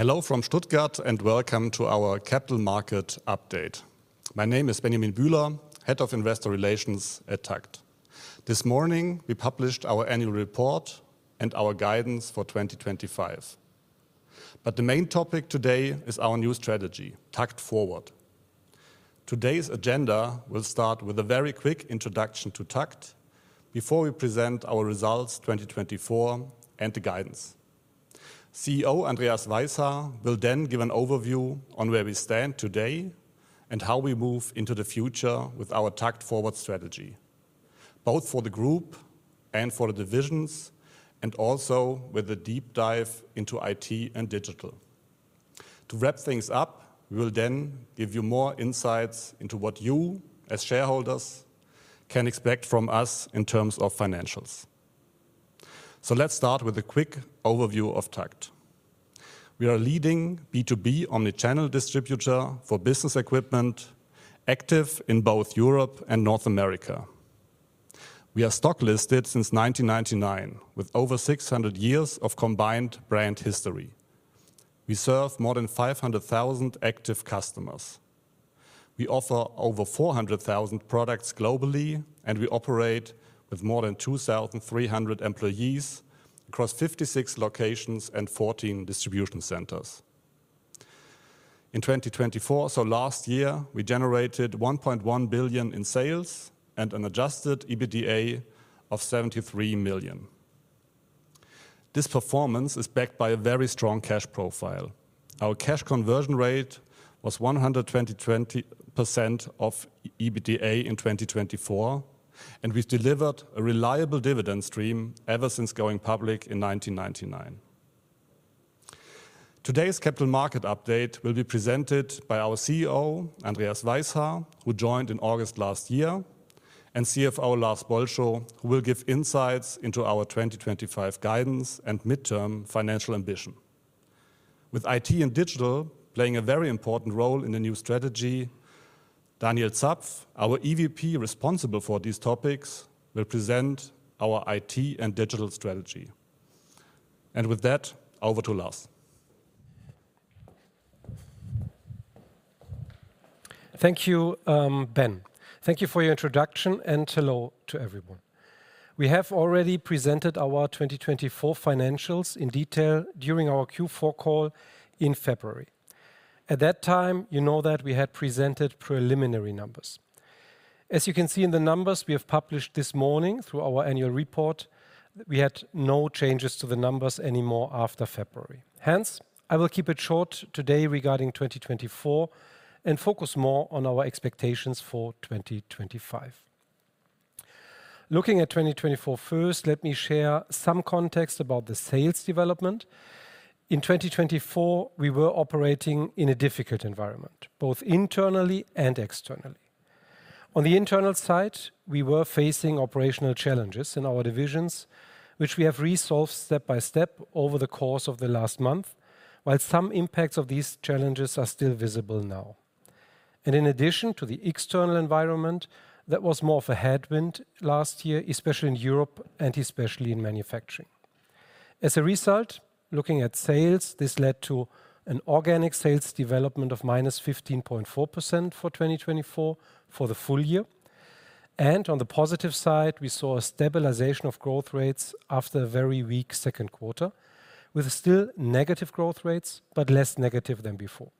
Hello from Stuttgart, and welcome to our capital market update. My name is Benjamin Bühler, Head of Investor Relations at TAKKT. This morning, we published our annual report and our guidance for 2025. The main topic today is our new strategy: TAKKT Forward. Today's agenda will start with a very quick introduction to TAKKT before we present our results 2024 and the guidance. CEO Andreas Weishaar will then give an overview on where we stand today and how we move into the future with our TAKKT Forward strategy, both for the Group and for the divisions, and also with a deep dive into IT and digital. To wrap things up, we will then give you more insights into what you, as shareholders, can expect from us in terms of financials. Let's start with a quick overview of TAKKT. We are a leading B2B omnichannel distributor for business equipment, active in both Europe and North America. We are stock-listed since 1999, with over 600 years of combined brand history. We serve more than 500,000 active customers. We offer over 400,000 products globally, and we operate with more than 2,300 employees across 56 locations and 14 distribution centers. In 2024, so last year, we generated 1.1 billion in sales and an adjusted EBITDA of 73 million. This performance is backed by a very strong cash profile. Our cash conversion rate was 120% of EBITDA in 2024, and we've delivered a reliable dividend stream ever since going public in 1999. Today's capital market update will be presented by our CEO, Andreas Weishaar, who joined in August last year, and CFO Lars Bolscho, who will give insights into our 2025 guidance and midterm financial ambition. With IT and digital playing a very important role in the new strategy, Daniel Zapf, our EVP responsible for these topics, will present our IT and digital strategy. With that, over to Lars. Thank you, Ben. Thank you for your introduction, and hello to everyone. We have already presented our 2024 financials in detail during our Q4 call in February. At that time, you know that we had presented preliminary numbers. As you can see in the numbers we have published this morning through our annual report, we had no changes to the numbers anymore after February. Hence, I will keep it short today regarding 2024 and focus more on our expectations for 2025. Looking at 2024 first, let me share some context about the sales development. In 2024, we were operating in a difficult environment, both internally and externally. On the internal side, we were facing operational challenges in our divisions, which we have resolved step by step over the course of the last month, while some impacts of these challenges are still visible now. In addition to the external environment, that was more of a headwind last year, especially in Europe and especially in manufacturing. As a result, looking at sales, this led to an organic sales development of -15.4% for 2024 for the full year. On the positive side, we saw a stabilization of growth rates after a very weak second quarter, with still negative growth rates, but less negative than before.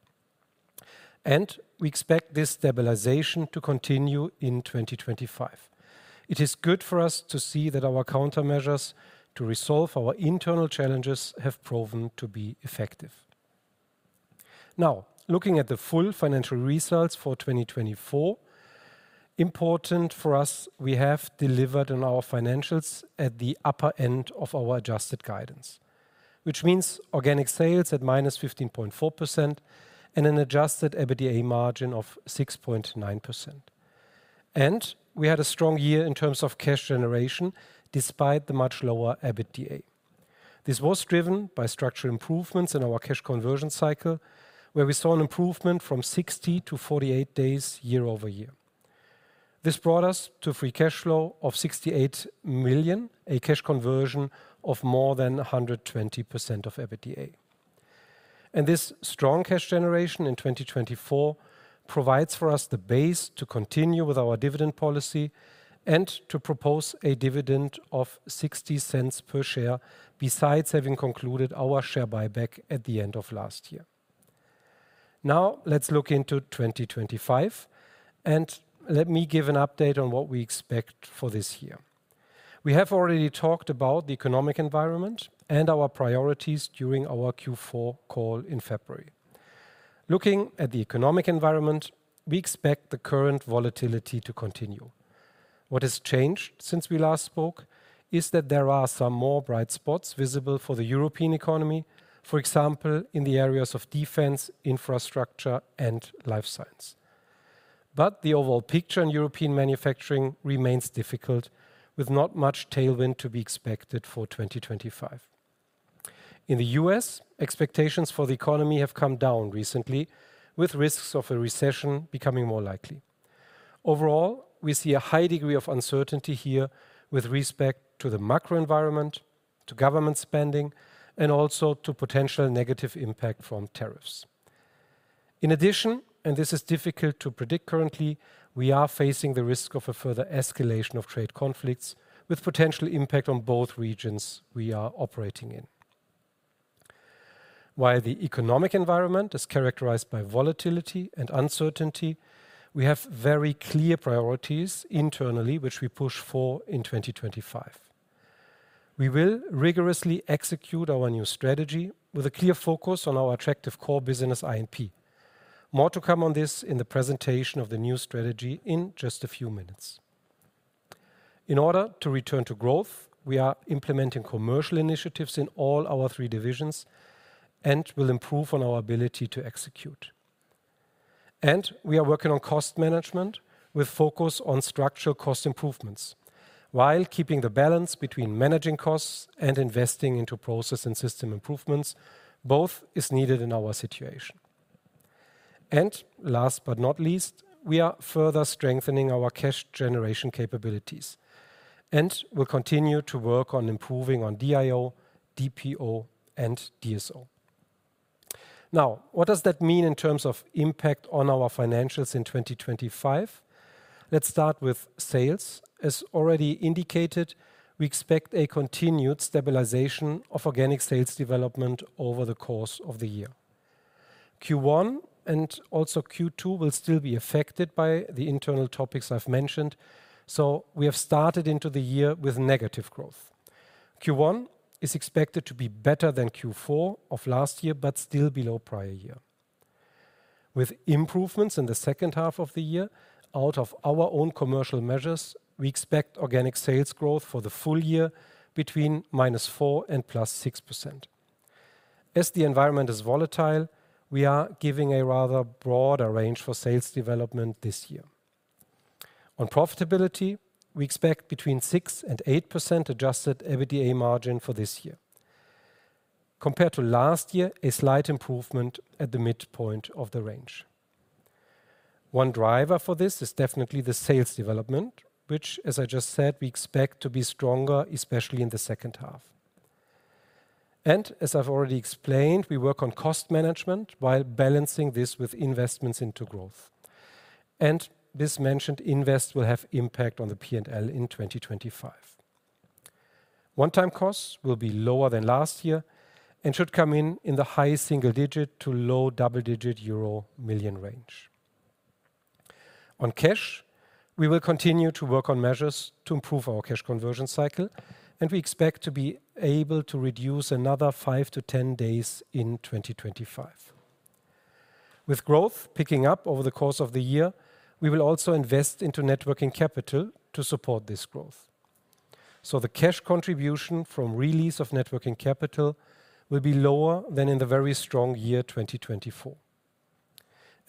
We expect this stabilization to continue in 2025. It is good for us to see that our countermeasures to resolve our internal challenges have proven to be effective. Now, looking at the full financial results for 2024, important for us, we have delivered on our financials at the upper end of our adjusted guidance, which means organic sales at -15.4% and an adjusted EBITDA margin of 6.9%. We had a strong year in terms of cash generation despite the much lower EBITDA. This was driven by structural improvements in our cash conversion cycle, where we saw an improvement from 60 to 48 days year-over-year. This brought us to a free cash flow of 68 million, a cash conversion of more than 120% of EBITDA. This strong cash generation in 2024 provides for us the base to continue with our dividend policy and to propose a dividend of 0.60 per share besides having concluded our share buyback at the end of last year. Now, let's look into 2025, and let me give an update on what we expect for this year. We have already talked about the economic environment and our priorities during our Q4 call in February. Looking at the economic environment, we expect the current volatility to continue. What has changed since we last spoke is that there are some more bright spots visible for the European economy, for example, in the areas of defense, infrastructure, and life science. The overall picture in European manufacturing remains difficult, with not much tailwind to be expected for 2025. In the U.S., expectations for the economy have come down recently, with risks of a recession becoming more likely. Overall, we see a high degree of uncertainty here with respect to the macro environment, to government spending, and also to potential negative impact from tariffs. In addition, this is difficult to predict currently, we are facing the risk of a further escalation of trade conflicts with potential impact on both regions we are operating in. While the economic environment is characterized by volatility and uncertainty, we have very clear priorities internally, which we push for in 2025. We will rigorously execute our new strategy with a clear focus on our attractive core business, I&P. More to come on this in the presentation of the new strategy in just a few minutes. In order to return to growth, we are implementing commercial initiatives in all our three divisions and will improve on our ability to execute. We are working on cost management with focus on structural cost improvements, while keeping the balance between managing costs and investing into process and system improvements, both is needed in our situation. Last but not least, we are further strengthening our cash generation capabilities and will continue to work on improving on DIO, DPO, and DSO. Now, what does that mean in terms of impact on our financials in 2025? Let's start with sales. As already indicated, we expect a continued stabilization of organic sales development over the course of the year. Q1 and also Q2 will still be affected by the internal topics I have mentioned, so we have started into the year with negative growth. Q1 is expected to be better than Q4 of last year, but still below prior year. With improvements in the second half of the year, out of our own commercial measures, we expect organic sales growth for the full year between -4% and +6%. As the environment is volatile, we are giving a rather broader range for sales development this year. On profitability, we expect between 6%-8% adjusted EBITDA margin for this year. Compared to last year, a slight improvement at the midpoint of the range. One driver for this is definitely the sales development, which, as I just said, we expect to be stronger, especially in the second half. As I have already explained, we work on cost management while balancing this with investments into growth. This mentioned invest will have impact on the P&L in 2025. One-time costs will be lower than last year and should come in in the high single-digit to low double-digit euro million range. On cash, we will continue to work on measures to improve our cash conversion cycle, and we expect to be able to reduce another 5-10 days in 2025. With growth picking up over the course of the year, we will also invest into networking capital to support this growth. The cash contribution from release of networking capital will be lower than in the very strong year 2024.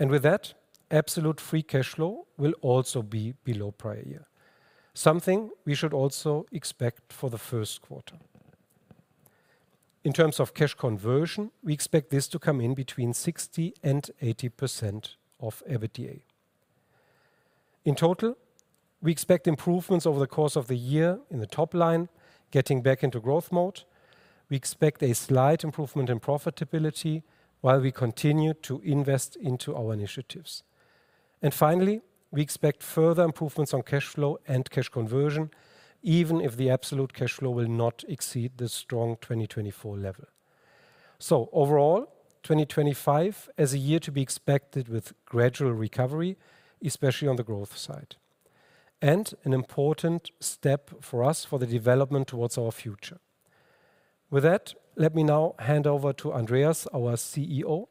With that, absolute free cash flow will also be below prior year, something we should also expect for the first quarter. In terms of cash conversion, we expect this to come in between 60%-80% of EBITDA. In total, we expect improvements over the course of the year in the top line, getting back into growth mode. We expect a slight improvement in profitability while we continue to invest into our initiatives. Finally, we expect further improvements on cash flow and cash conversion, even if the absolute cash flow will not exceed the strong 2024 level. Overall, 2025 is a year to be expected with gradual recovery, especially on the growth side, and an important step for us for the development towards our future. With that, let me now hand over to Andreas, our CEO,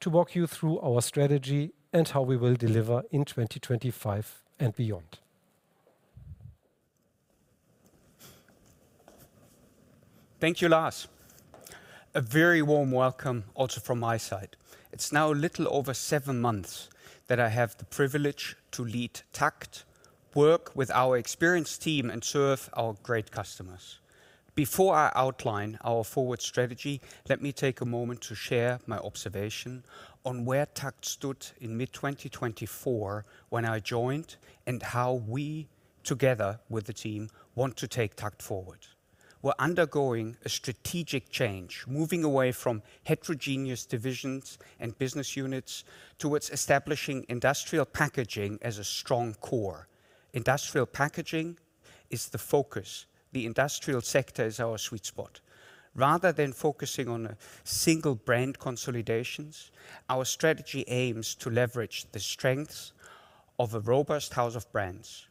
to walk you through our strategy and how we will deliver in 2025 and beyond. Thank you, Lars. A very warm welcome also from my side. It's now a little over seven months that I have the privilege to lead TAKKT, work with our experienced team, and serve our great customers. Before I outline our forward strategy, let me take a moment to share my observation on where TAKKT stood in mid-2024 when I joined and how we, together with the team, want to take TAKKT Forward. We're undergoing a strategic change, moving away from heterogeneous divisions and business units towards establishing Industrial Packaging as a strong core. Industrial Packaging is the focus. The industrial sector is our sweet spot. Rather than focusing on single brand consolidations, our strategy aims to leverage the strengths of a robust house of brands.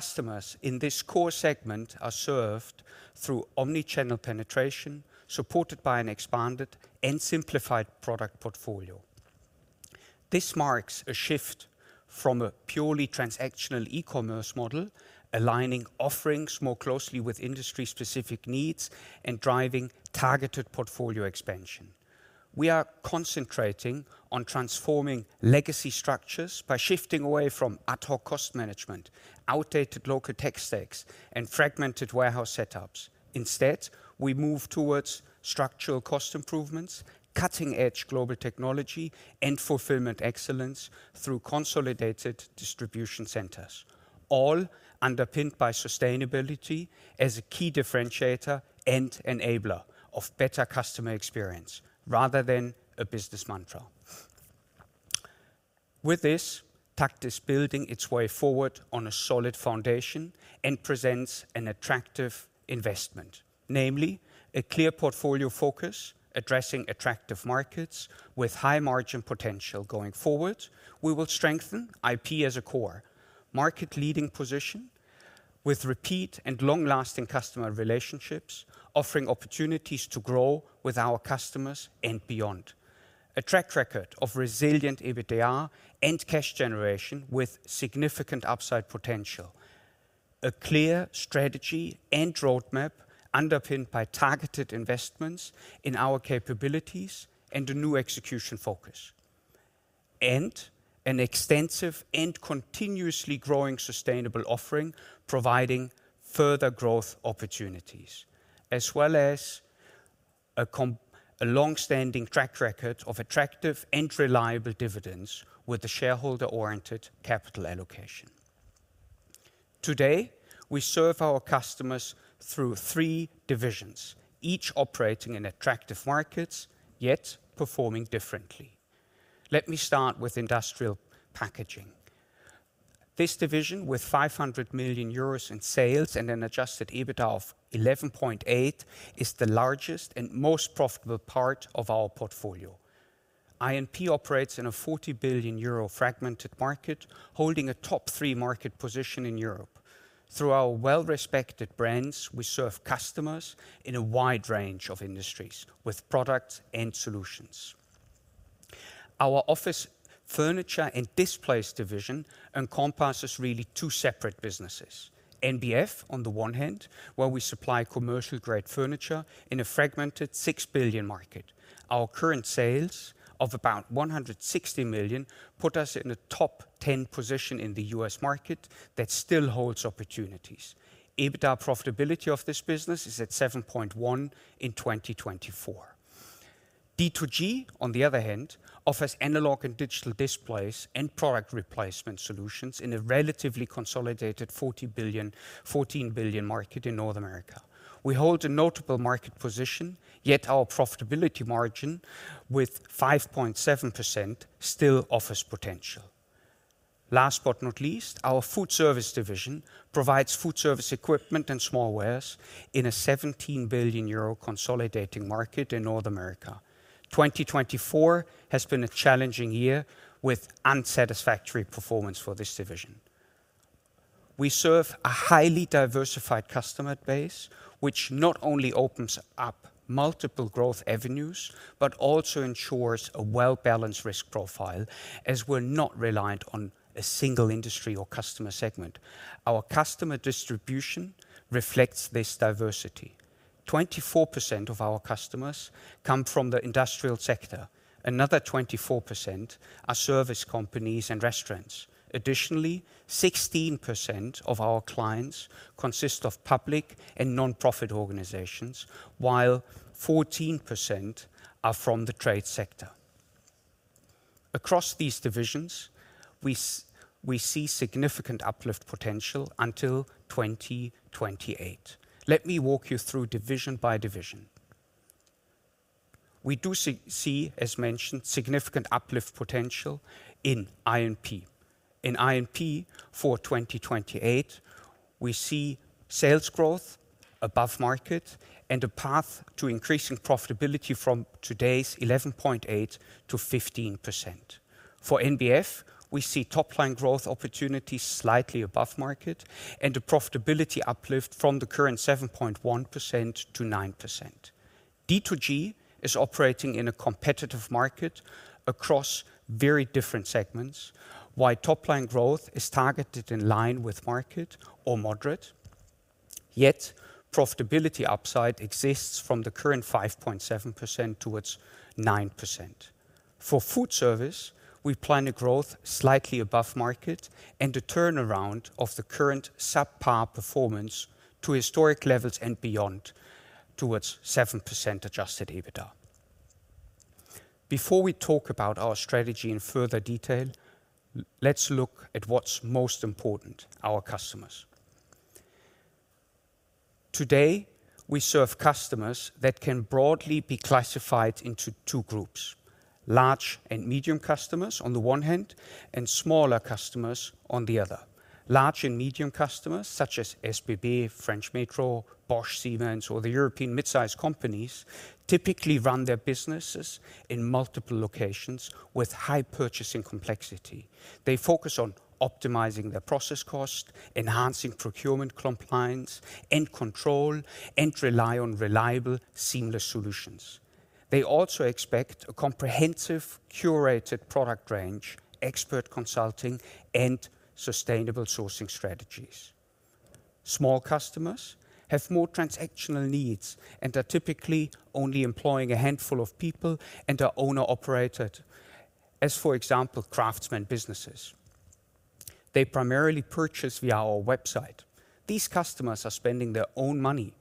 Customers in this core segment are served through omnichannel penetration, supported by an expanded and simplified product portfolio. This marks a shift from a purely transactional e-commerce model, aligning offerings more closely with industry-specific needs and driving targeted portfolio expansion. We are concentrating on transforming legacy structures by shifting away from ad hoc cost management, outdated local tech stacks, and fragmented warehouse setups. Instead, we move towards structural cost improvements, cutting-edge global technology, and fulfillment excellence through consolidated distribution centers, all underpinned by sustainability as a key differentiator and enabler of better customer experience rather than a business mantra. With this, TAKKT is building its way forward on a solid foundation and presents an attractive investment, namely a clear portfolio focus addressing attractive markets with high margin potential going forward. We will strengthen IP as a core, market-leading position with repeat and long-lasting customer relationships, offering opportunities to grow with our customers and beyond. A track record of resilient EBITDA and cash generation with significant upside potential, a clear strategy and roadmap underpinned by targeted investments in our capabilities and a new execution focus, and an extensive and continuously growing sustainable offering providing further growth opportunities, as well as a long-standing track record of attractive and reliable dividends with the shareholder-oriented capital allocation. Today, we serve our customers through three divisions, each operating in attractive markets yet performing differently. Let me start with Industrial Packaging. This division, with 500 million euros in sales and an adjusted EBITDA of 11.8, is the largest and most profitable part of our portfolio. I&P operates in a 40 billion euro fragmented market, holding a top three market position in Europe. Through our well-respected brands, we serve customers in a wide range of industries with products and solutions. Our Office Furniture and Displays division encompasses really two separate businesses: NBF on the one hand, where we supply commercial-grade furniture in a fragmented 6 billion market. Our current sales of about 160 million put us in a top 10 position in the U.S. market that still holds opportunities. EBITDA profitability of this business is at 7.1% in 2024. D2G, on the other hand, offers analog and digital displays and product replacement solutions in a relatively consolidated 40 billion, 14 billion market in North America. We hold a notable market position, yet our profitability margin with 5.7% still offers potential. Last but not least, our FoodService division provides food service equipment and smallware in a 17 billion euro consolidating market in North America. 2024 has been a challenging year with unsatisfactory performance for this division. We serve a highly diversified customer base, which not only opens up multiple growth avenues, but also ensures a well-balanced risk profile as we're not reliant on a single industry or customer segment. Our customer distribution reflects this diversity. 24% of our customers come from the industrial sector. Another 24% are service companies and restaurants. Additionally, 16% of our clients consist of public and nonprofit organizations, while 14% are from the trade sector. Across these divisions, we see significant uplift potential until 2028. Let me walk you through division by division. We do see, as mentioned, significant uplift potential in I&P. In I&P for 2028, we see sales growth above market and a path to increasing profitability from today's 11.8% to 15%. For NBF, we see top-line growth opportunities slightly above market and a profitability uplift from the current 7.1% to 9%. D2G is operating in a competitive market across very different segments, while top-line growth is targeted in line with market or moderate. Yet profitability upside exists from the current 5.7% towards 9%. For FoodService, we plan a growth slightly above market and a turnaround of the current subpar performance to historic levels and beyond towards 7% adjusted EBITDA. Before we talk about our strategy in further detail, let's look at what's most important: our customers. Today, we serve customers that can broadly be classified into two groups: large and medium customers on the one hand and smaller customers on the other. Large and medium customers, such as SBB, French Metro, Bosch Siemens, or the European midsize companies, typically run their businesses in multiple locations with high purchasing complexity. They focus on optimizing their process cost, enhancing procurement compliance and control, and rely on reliable, seamless solutions. They also expect a comprehensive, curated product range, expert consulting, and sustainable sourcing strategies. Small customers have more transactional needs and are typically only employing a handful of people and are owner-operated, as for example, craftsmen businesses. They primarily purchase via our website. These customers are spending their own money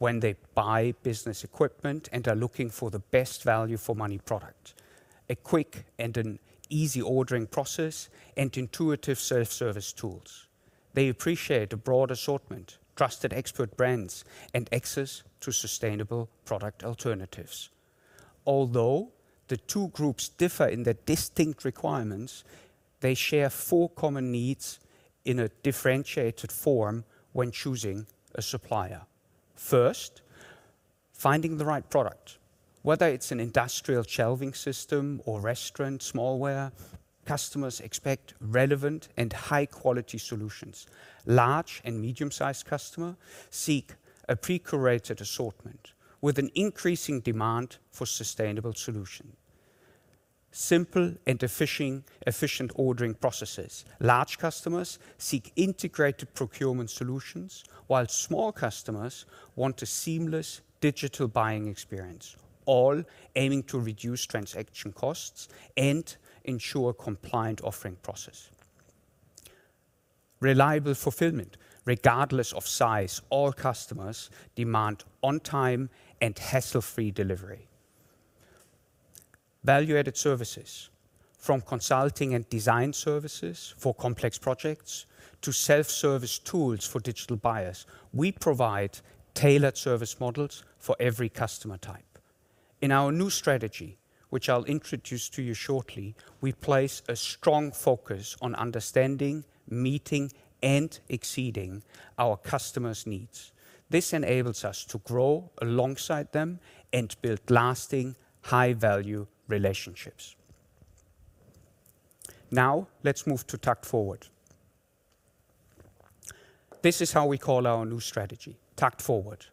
when they buy business equipment and are looking for the best value for money product, a quick and an easy ordering process, and intuitive self-service tools. They appreciate a broad assortment, trusted expert brands, and access to sustainable product alternatives. Although the two groups differ in their distinct requirements, they share four common needs in a differentiated form when choosing a supplier. First, finding the right product. Whether it's an industrial shelving system or restaurant smallware, customers expect relevant and high-quality solutions. Large and medium-sized customers seek a pre-curated assortment with an increasing demand for sustainable solutions. Simple and efficient ordering processes. Large customers seek integrated procurement solutions, while small customers want a seamless digital buying experience, all aiming to reduce transaction costs and ensure a compliant offering process. Reliable fulfillment. Regardless of size, all customers demand on-time and hassle-free delivery. Value-added services. From consulting and design services for complex projects to self-service tools for digital buyers, we provide tailored service models for every customer type. In our new strategy, which I'll introduce to you shortly, we place a strong focus on understanding, meeting, and exceeding our customers' needs. This enables us to grow alongside them and build lasting, high-value relationships. Now, let's move to TAKKT Forward. This is how we call our new strategy, TAKKT Forward.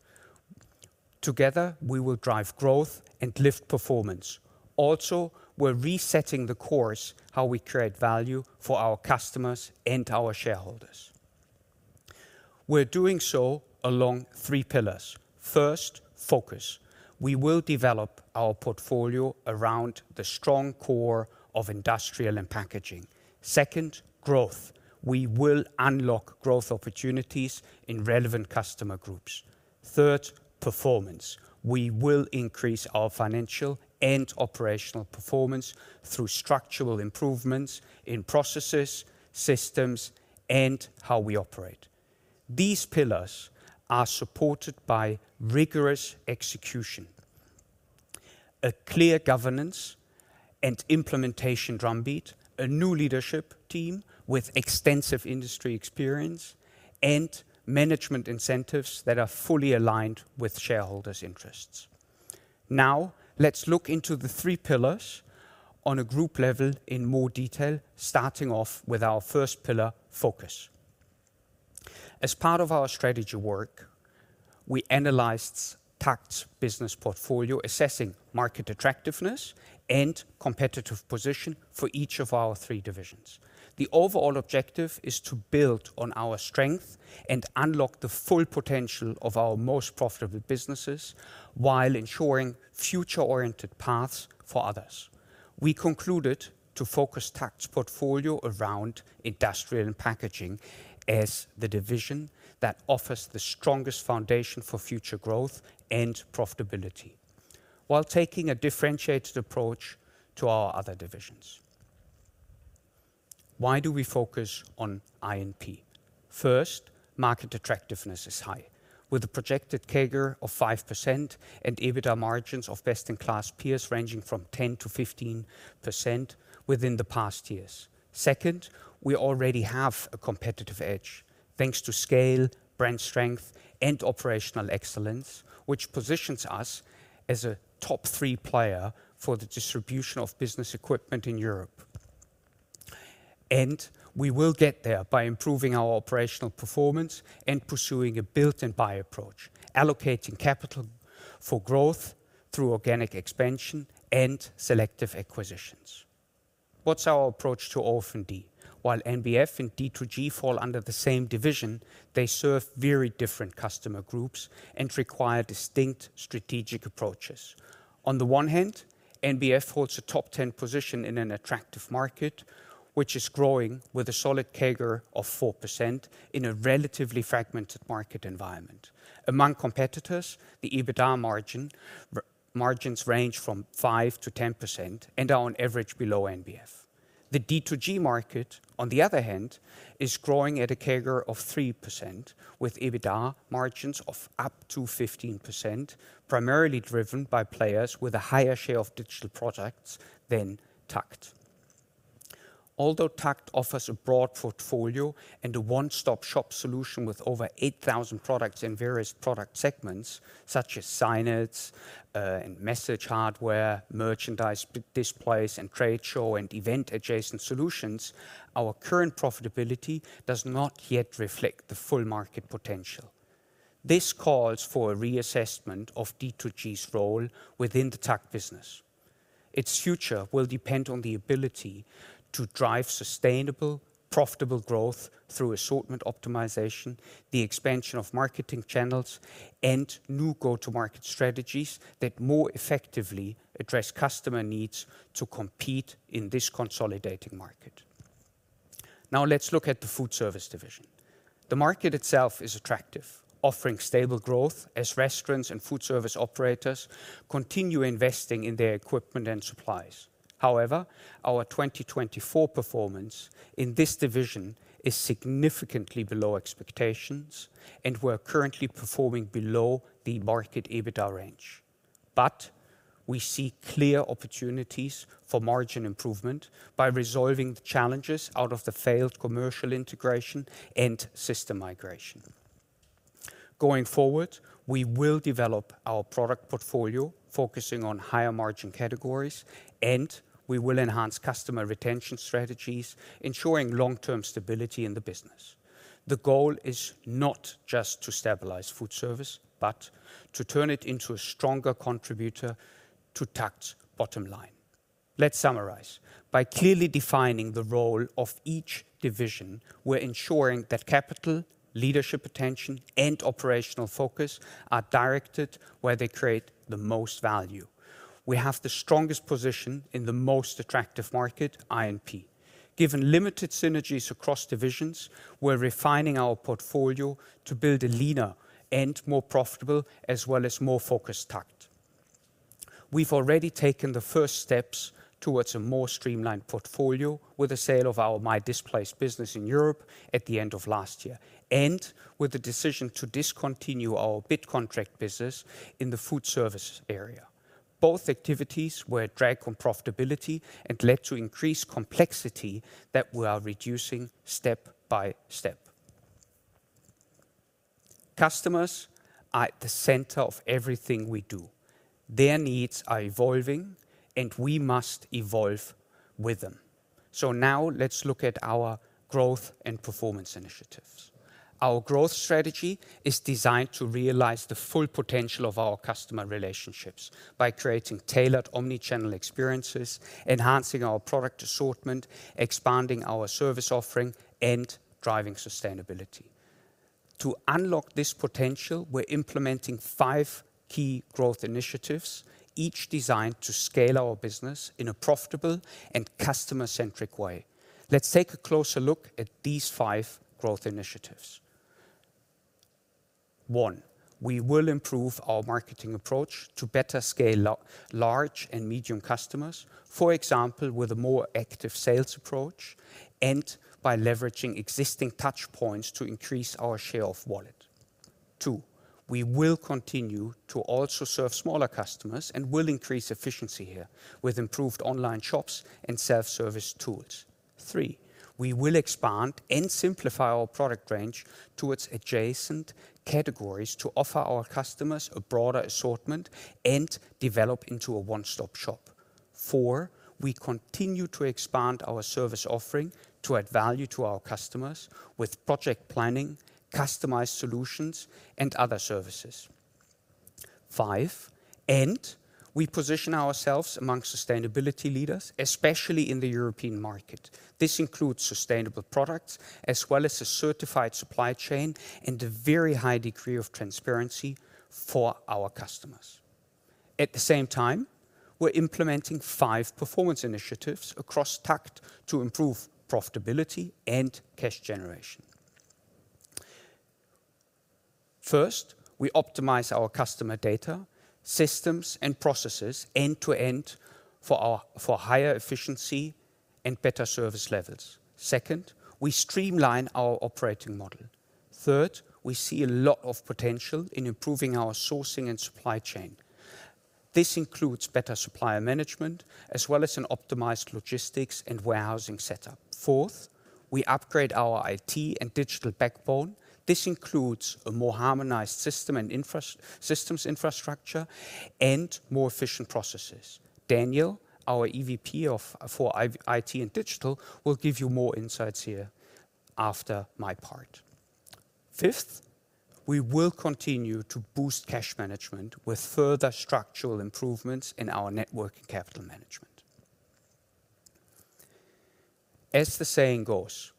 Together, we will drive growth and lift performance. Also, we're resetting the course how we create value for our customers and our shareholders. We're doing so along three pillars. First, focus. We will develop our portfolio around the strong core of industrial and packaging. Second, growth. We will unlock growth opportunities in relevant customer groups. Third, performance. We will increase our financial and operational performance through structural improvements in processes, systems, and how we operate. These pillars are supported by rigorous execution, a clear governance and implementation drumbeat, a new leadership team with extensive industry experience, and management incentives that are fully aligned with shareholders' interests. Now, let's look into the three pillars on a group level in more detail, starting off with our first pillar, focus. As part of our strategy work, we analyzed TAKKT's business portfolio, assessing market attractiveness and competitive position for each of our three divisions. The overall objective is to build on our strength and unlock the full potential of our most profitable businesses while ensuring future-oriented paths for others. We concluded to focus TAKKT's portfolio around industrial and packaging as the division that offers the strongest foundation for future growth and profitability, while taking a differentiated approach to our other divisions. Why do we focus on I&P? First, market attractiveness is high, with a projected CAGR of 5% and EBITDA margins of best-in-class peers ranging from 10%-15% within the past years. Second, we already have a competitive edge thanks to scale, brand strength, and operational excellence, which positions us as a top three player for the distribution of business equipment in Europe. We will get there by improving our operational performance and pursuing a built-in buy approach, allocating capital for growth through organic expansion and selective acquisitions. What's our approach to OF&D? While NBF and D2G fall under the same division, they serve very different customer groups and require distinct strategic approaches. On the one hand, NBF holds a top 10 position in an attractive market, which is growing with a solid CAGR of 4% in a relatively fragmented market environment. Among competitors, the EBITDA margins range from 5% to 10% and are on average below NBF. The D2G market, on the other hand, is growing at a CAGR of 3% with EBITDA margins of up to 15%, primarily driven by players with a higher share of digital products than TAKKT. Although TAKKT offers a broad portfolio and a one-stop shop solution with over 8,000 products in various product segments, such as signage and message hardware, merchandise displays and trade show, and event-adjacent solutions, our current profitability does not yet reflect the full market potential. This calls for a reassessment of D2G's role within the TAKKT business. Its future will depend on the ability to drive sustainable, profitable growth through assortment optimization, the expansion of marketing channels, and new go-to-market strategies that more effectively address customer needs to compete in this consolidating market. Now, let's look at the Food Service division. The market itself is attractive, offering stable growth as restaurants and food service operators continue investing in their equipment and supplies. However, our 2024 performance in this division is significantly below expectations, and we're currently performing below the market EBITDA range. We see clear opportunities for margin improvement by resolving the challenges out of the failed commercial integration and system migration. Going forward, we will develop our product portfolio focusing on higher margin categories, and we will enhance customer retention strategies, ensuring long-term stability in the business. The goal is not just to stabilize Food Service, but to turn it into a stronger contributor to TAKKT's bottom line. Let's summarize. By clearly defining the role of each division, we're ensuring that capital, leadership attention, and operational focus are directed where they create the most value. We have the strongest position in the most attractive market, I&P. Given limited synergies across divisions, we're refining our portfolio to build a leaner and more profitable, as well as more focused TAKKT. We've already taken the first steps towards a more streamlined portfolio with the sale of our MyDisplays business in Europe at the end of last year and with the decision to discontinue our bid contract business in the Food Service area. Both activities were a drag on profitability and led to increased complexity that we are reducing step by step. Customers are at the center of everything we do. Their needs are evolving, and we must evolve with them. Now, let's look at our growth and performance initiatives. Our growth strategy is designed to realize the full potential of our customer relationships by creating tailored omnichannel experiences, enhancing our product assortment, expanding our service offering, and driving sustainability. To unlock this potential, we're implementing five key growth initiatives, each designed to scale our business in a profitable and customer-centric way. Let's take a closer look at these five growth initiatives. One, we will improve our marketing approach to better scale large and medium customers, for example, with a more active sales approach and by leveraging existing touch points to increase our share of wallet. Two, we will continue to also serve smaller customers and will increase efficiency here with improved online shops and self-service tools. Three, we will expand and simplify our product range towards adjacent categories to offer our customers a broader assortment and develop into a one-stop shop. Four, we continue to expand our service offering to add value to our customers with project planning, customized solutions, and other services. Five, we position ourselves among sustainability leaders, especially in the European market. This includes sustainable products as well as a certified supply chain and a very high degree of transparency for our customers. At the same time, we are implementing five performance initiatives across TAKKT to improve profitability and cash generation. First, we optimize our customer data, systems, and processes end-to-end for higher efficiency and better service levels. Second, we streamline our operating model. Third, we see a lot of potential in improving our sourcing and supply chain. This includes better supplier management as well as an optimized logistics and warehousing setup. Fourth, we upgrade our IT and digital backbone. This includes a more harmonized system and infrastructure and more efficient processes. Daniel, our EVP for IT and Digital, will give you more insights here after my part. Fifth, we will continue to boost cash management with further structural improvements in our network and capital management. As the saying goes,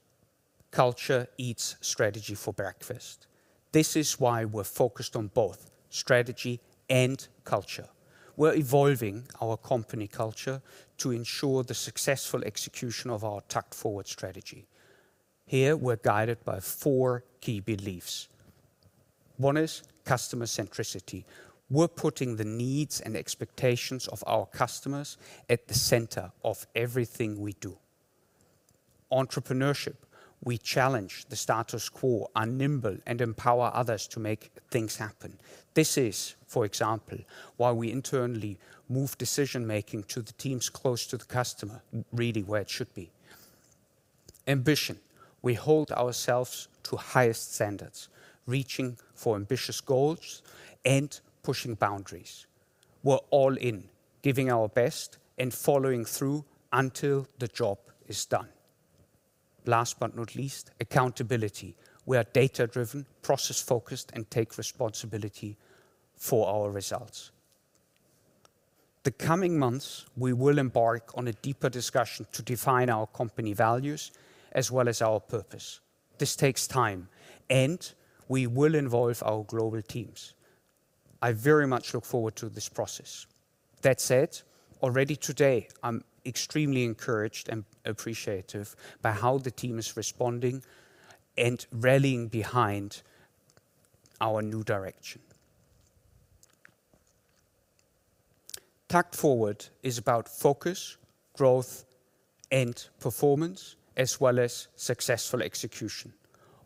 culture eats strategy for breakfast. This is why we're focused on both strategy and culture. We're evolving our company culture to ensure the successful execution of our TAKKT Forward strategy. Here, we're guided by four key beliefs. One is customer centricity. We're putting the needs and expectations of our customers at the center of everything we do. Entrepreneurship. We challenge the status quo, are nimble, and empower others to make things happen. This is, for example, why we internally move decision-making to the teams close to the customer, really where it should be. Ambition. We hold ourselves to highest standards, reaching for ambitious goals and pushing boundaries. We're all in, giving our best and following through until the job is done. Last but not least, accountability. We are data-driven, process-focused, and take responsibility for our results. The coming months, we will embark on a deeper discussion to define our company values as well as our purpose. This takes time, and we will involve our global teams. I very much look forward to this process. That said, already today, I'm extremely encouraged and appreciative by how the team is responding and rallying behind our new direction. TAKKT Forward is about focus, growth, and performance, as well as successful execution.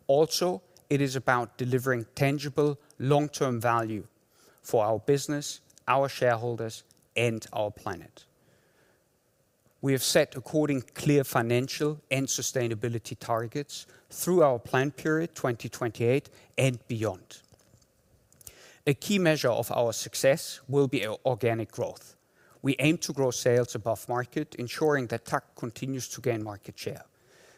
Also, it is about delivering tangible long-term value for our business, our shareholders, and our planet. We have set according clear financial and sustainability targets through our plan period 2028 and beyond. A key measure of our success will be organic growth. We aim to grow sales above market, ensuring that TAKKT continues to gain market share.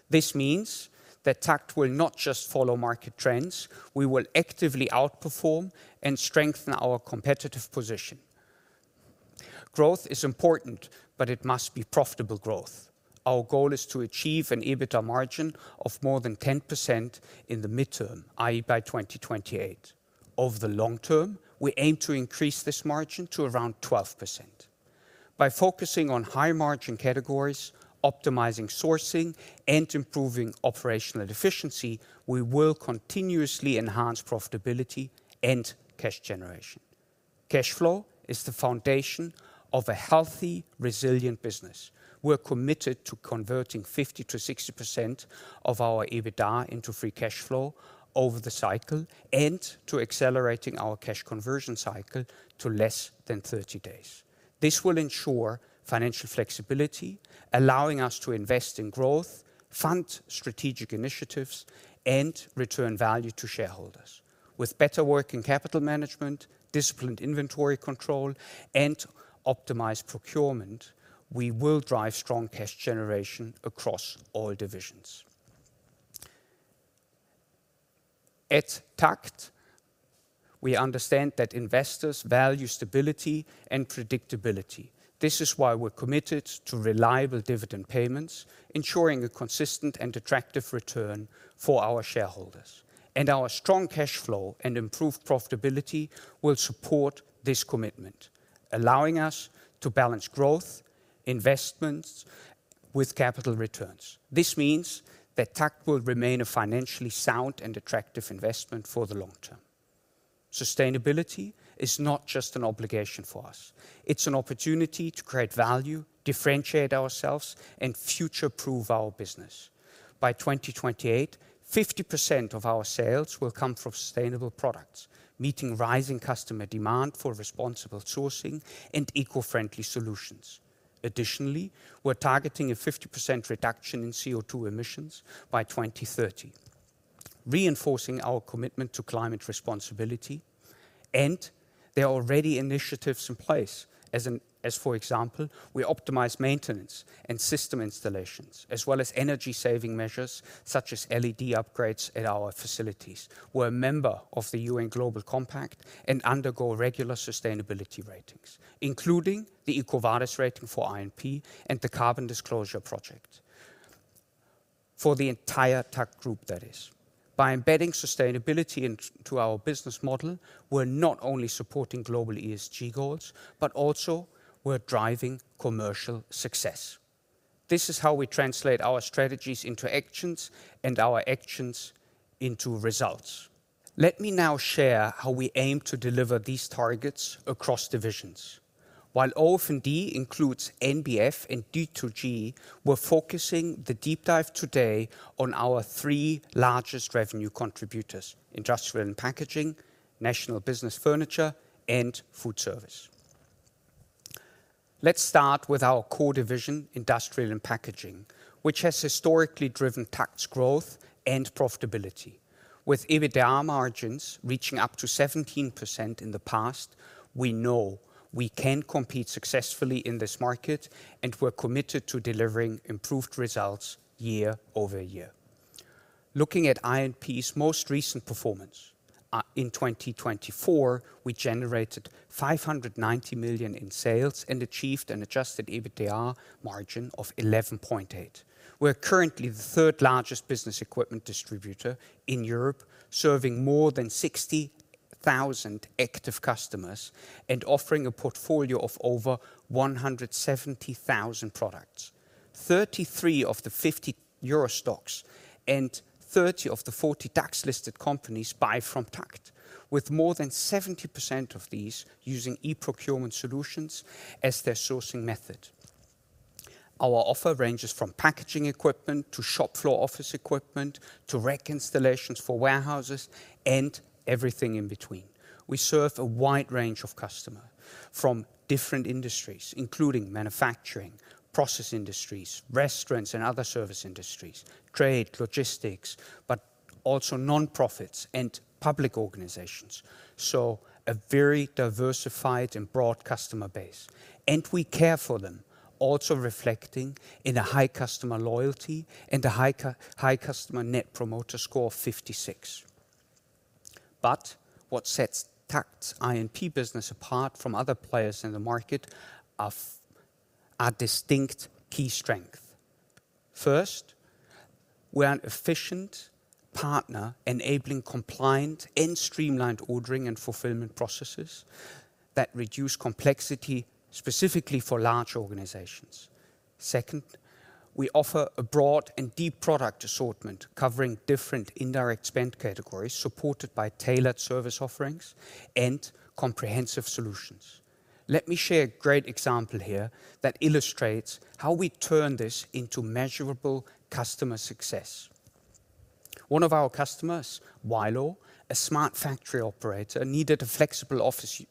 This means that TAKKT will not just follow market trends; we will actively outperform and strengthen our competitive position. Growth is important, but it must be profitable growth. Our goal is to achieve an EBITDA margin of more than 10% in the midterm, i.e., by 2028. Over the long term, we aim to increase this margin to around 12%. By focusing on high-margin categories, optimizing sourcing, and improving operational efficiency, we will continuously enhance profitability and cash generation. Cash flow is the foundation of a healthy, resilient business. We're committed to converting 50%-60% of our EBITDA into free cash flow over the cycle and to accelerating our cash conversion cycle to less than 30 days. This will ensure financial flexibility, allowing us to invest in growth, fund strategic initiatives, and return value to shareholders. With better working capital management, disciplined inventory control, and optimized procurement, we will drive strong cash generation across all divisions. At TAKKT, we understand that investors value stability and predictability. This is why we are committed to reliable dividend payments, ensuring a consistent and attractive return for our shareholders. Our strong cash flow and improved profitability will support this commitment, allowing us to balance growth, investments, with capital returns. This means that TAKKT will remain a financially sound and attractive investment for the long term. Sustainability is not just an obligation for us. It is an opportunity to create value, differentiate ourselves, and future-proof our business. By 2028, 50% of our sales will come from sustainable products, meeting rising customer demand for responsible sourcing and eco-friendly solutions. Additionally, we're targeting a 50% reduction in CO2 emissions by 2030, reinforcing our commitment to climate responsibility. There are already initiatives in place, as for example, we optimize maintenance and system installations, as well as energy-saving measures such as LED upgrades at our facilities. We're a member of the UN Global Compact and undergo regular sustainability ratings, including the EcoVadis rating for I&P and the Carbon Disclosure Project for the entire TAKKT group, that is. By embedding sustainability into our business model, we're not only supporting global ESG goals, but also we're driving commercial success. This is how we translate our strategies into actions and our actions into results. Let me now share how we aim to deliver these targets across divisions. While OF&D includes NBF and D2G, we're focusing the deep dive today on our three largest revenue contributors: Industrial and Packaging, National Business Furniture, and Food Service. Let's start with our core division, Industrial Packaging, which has historically driven TAKKT's growth and profitability. With EBITDA margins reaching up to 17% in the past, we know we can compete successfully in this market, and we're committed to delivering improved results year-over-year. Looking at I&P's most recent performance in 2024, we generated 590 million in sales and achieved an adjusted EBITDA margin of 11.8%. We're currently the third-largest business equipment distributor in Europe, serving more than 60,000 active customers and offering a portfolio of over 170,000 products. Thirty-three of the EURO STOXX 50 and 30 of the DAX 40-listed companies buy from TAKKT, with more than 70% of these using e-procurement solutions as their sourcing method. Our offer ranges from packaging equipment to shop floor office equipment to rack installations for warehouses and everything in between. We serve a wide range of customers from different industries, including manufacturing, process industries, restaurants, and other service industries, trade, logistics, but also nonprofits and public organizations. A very diversified and broad customer base. We care for them, also reflecting in a high customer loyalty and a high customer net promoter score of 56. What sets TAKKT's I&P business apart from other players in the market are distinct key strengths. First, we're an efficient partner, enabling compliant and streamlined ordering and fulfillment processes that reduce complexity specifically for large organizations. Second, we offer a broad and deep product assortment covering different indirect spend categories supported by tailored service offerings and comprehensive solutions. Let me share a great example here that illustrates how we turn this into measurable customer success. One of our customers, Weilo, a smart factory operator, needed a flexible office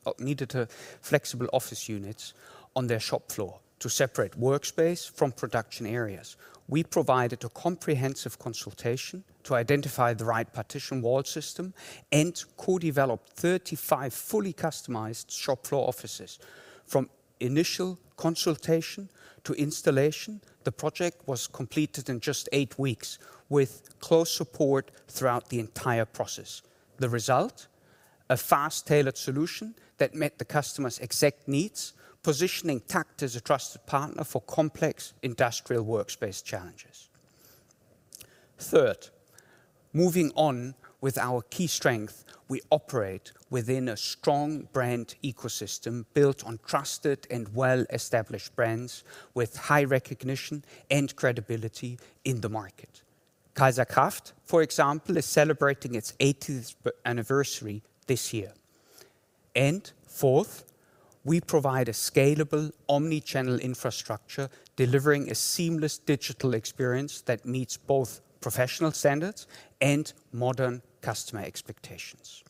unit on their shop floor to separate workspace from production areas. We provided a comprehensive consultation to identify the right partition wall system and co-developed 35 fully customized shop floor offices. From initial consultation to installation, the project was completed in just eight weeks with close support throughout the entire process. The result? A fast tailored solution that met the customer's exact needs, positioning TAKKT as a trusted partner for complex industrial workspace challenges. Third, moving on with our key strength, we operate within a strong brand ecosystem built on trusted and well-established brands with high recognition and credibility in the market. kaiserkraft, for example, is celebrating its 80th anniversary this year. Fourth, we provide a scalable omnichannel infrastructure delivering a seamless digital experience that meets both professional standards and modern customer expectations.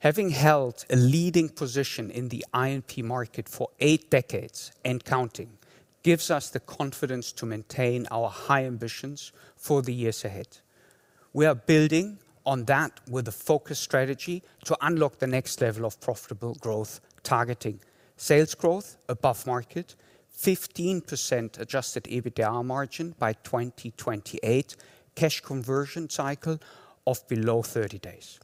Having held a leading position in the I&P market for eight decades and counting gives us the confidence to maintain our high ambitions for the years ahead. We are building on that with a focused strategy to unlock the next level of profitable growth targeting sales growth above market, 15% adjusted EBITDA margin by 2028, cash conversion cycle of below 30 days.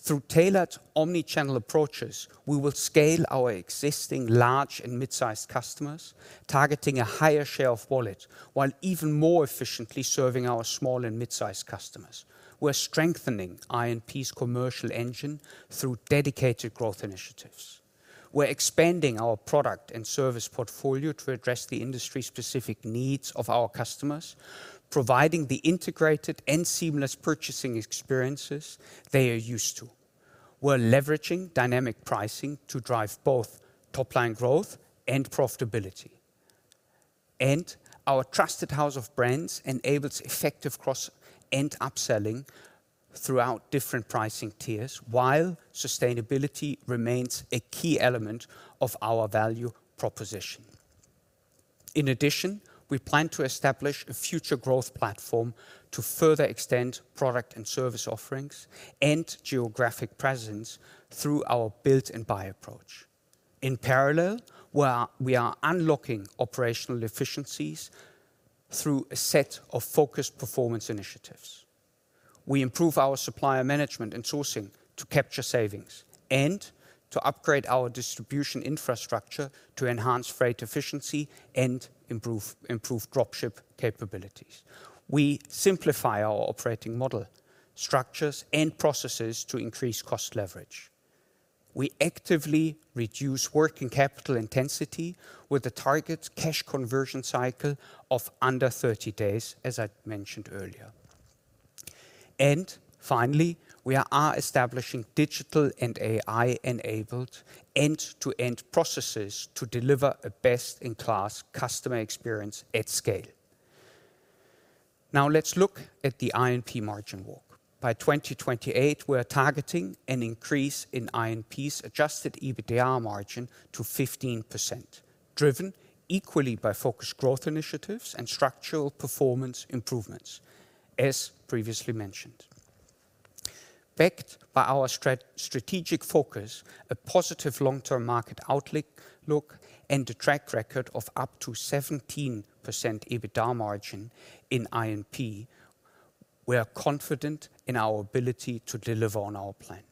Through tailored omnichannel approaches, we will scale our existing large and mid-sized customers, targeting a higher share of wallet while even more efficiently serving our small and mid-sized customers. We're strengthening I&P's commercial engine through dedicated growth initiatives. We're expanding our product and service portfolio to address the industry-specific needs of our customers, providing the integrated and seamless purchasing experiences they are used to. We're leveraging dynamic pricing to drive both top-line growth and profitability. Our trusted house of brands enables effective cross and upselling throughout different pricing tiers while sustainability remains a key element of our value proposition. In addition, we plan to establish a future growth platform to further extend product and service offerings and geographic presence through our build-and-buy approach. In parallel, we are unlocking operational efficiencies through a set of focused performance initiatives. We improve our supplier management and sourcing to capture savings and to upgrade our distribution infrastructure to enhance freight efficiency and improve dropship capabilities. We simplify our operating model structures and processes to increase cost leverage. We actively reduce working capital intensity with a target cash conversion cycle of under 30 days, as I mentioned earlier. Finally, we are establishing digital and AI-enabled end-to-end processes to deliver a best-in-class customer experience at scale. Now let's look at the I&P margin walk. By 2028, we're targeting an increase in I&P's adjusted EBITDA margin to 15%, driven equally by focused growth initiatives and structural performance improvements, as previously mentioned. Backed by our strategic focus, a positive long-term market outlook, and a track record of up to 17% EBITDA margin in I&P, we're confident in our ability to deliver on our plan.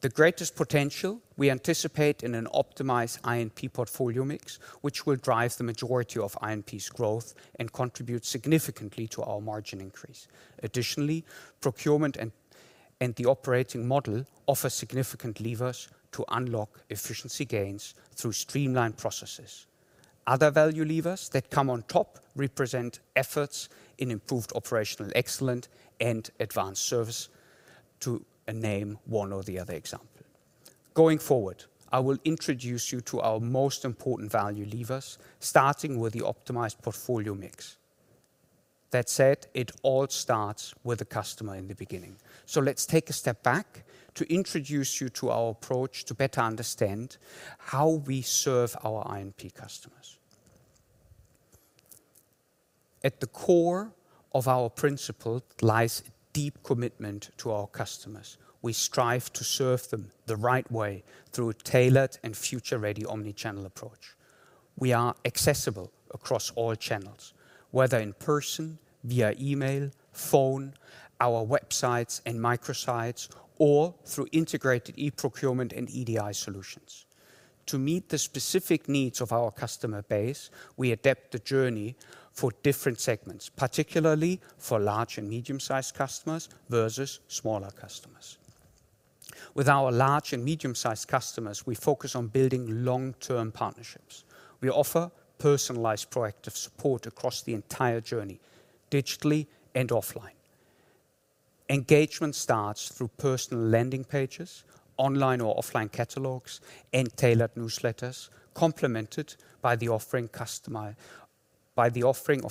The greatest potential we anticipate in an optimized I&P portfolio mix, which will drive the majority of I&P's growth and contribute significantly to our margin increase. Additionally, procurement and the operating model offer significant levers to unlock efficiency gains through streamlined processes. Other value levers that come on top represent efforts in improved operational excellence and advanced service, to name one or the other example. Going forward, I will introduce you to our most important value levers, starting with the optimized portfolio mix. That said, it all starts with the customer in the beginning. Let's take a step back to introduce you to our approach to better understand how we serve our I&P customers. At the core of our principle lies a deep commitment to our customers. We strive to serve them the right way through a tailored and future-ready omnichannel approach. We are accessible across all channels, whether in person, via email, phone, our websites and microsites, or through integrated e-procurement and EDI solutions. To meet the specific needs of our customer base, we adapt the journey for different segments, particularly for large and medium-sized customers versus smaller customers. With our large and medium-sized customers, we focus on building long-term partnerships. We offer personalized proactive support across the entire journey, digitally and offline. Engagement starts through personal landing pages, online or offline catalogs, and tailored newsletters, complemented by the offering of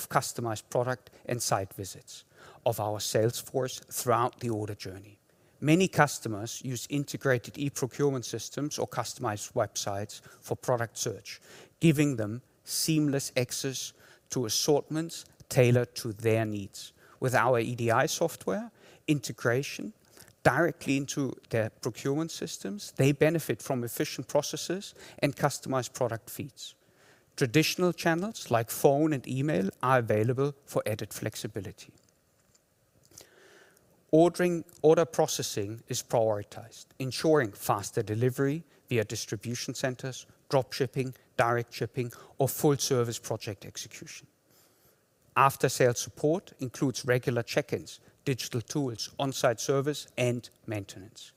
customized product and site visits of our salesforce throughout the order journey. Many customers use integrated e-procurement systems or customized websites for product search, giving them seamless access to assortments tailored to their needs. With our EDI software integration directly into their procurement systems, they benefit from efficient processes and customized product feeds. Traditional channels like phone and email are available for added flexibility. Order processing is prioritized, ensuring faster delivery via distribution centers, dropshipping, direct shipping, or full-service project execution. After-sales support includes regular check-ins, digital tools, on-site service, and maintenance.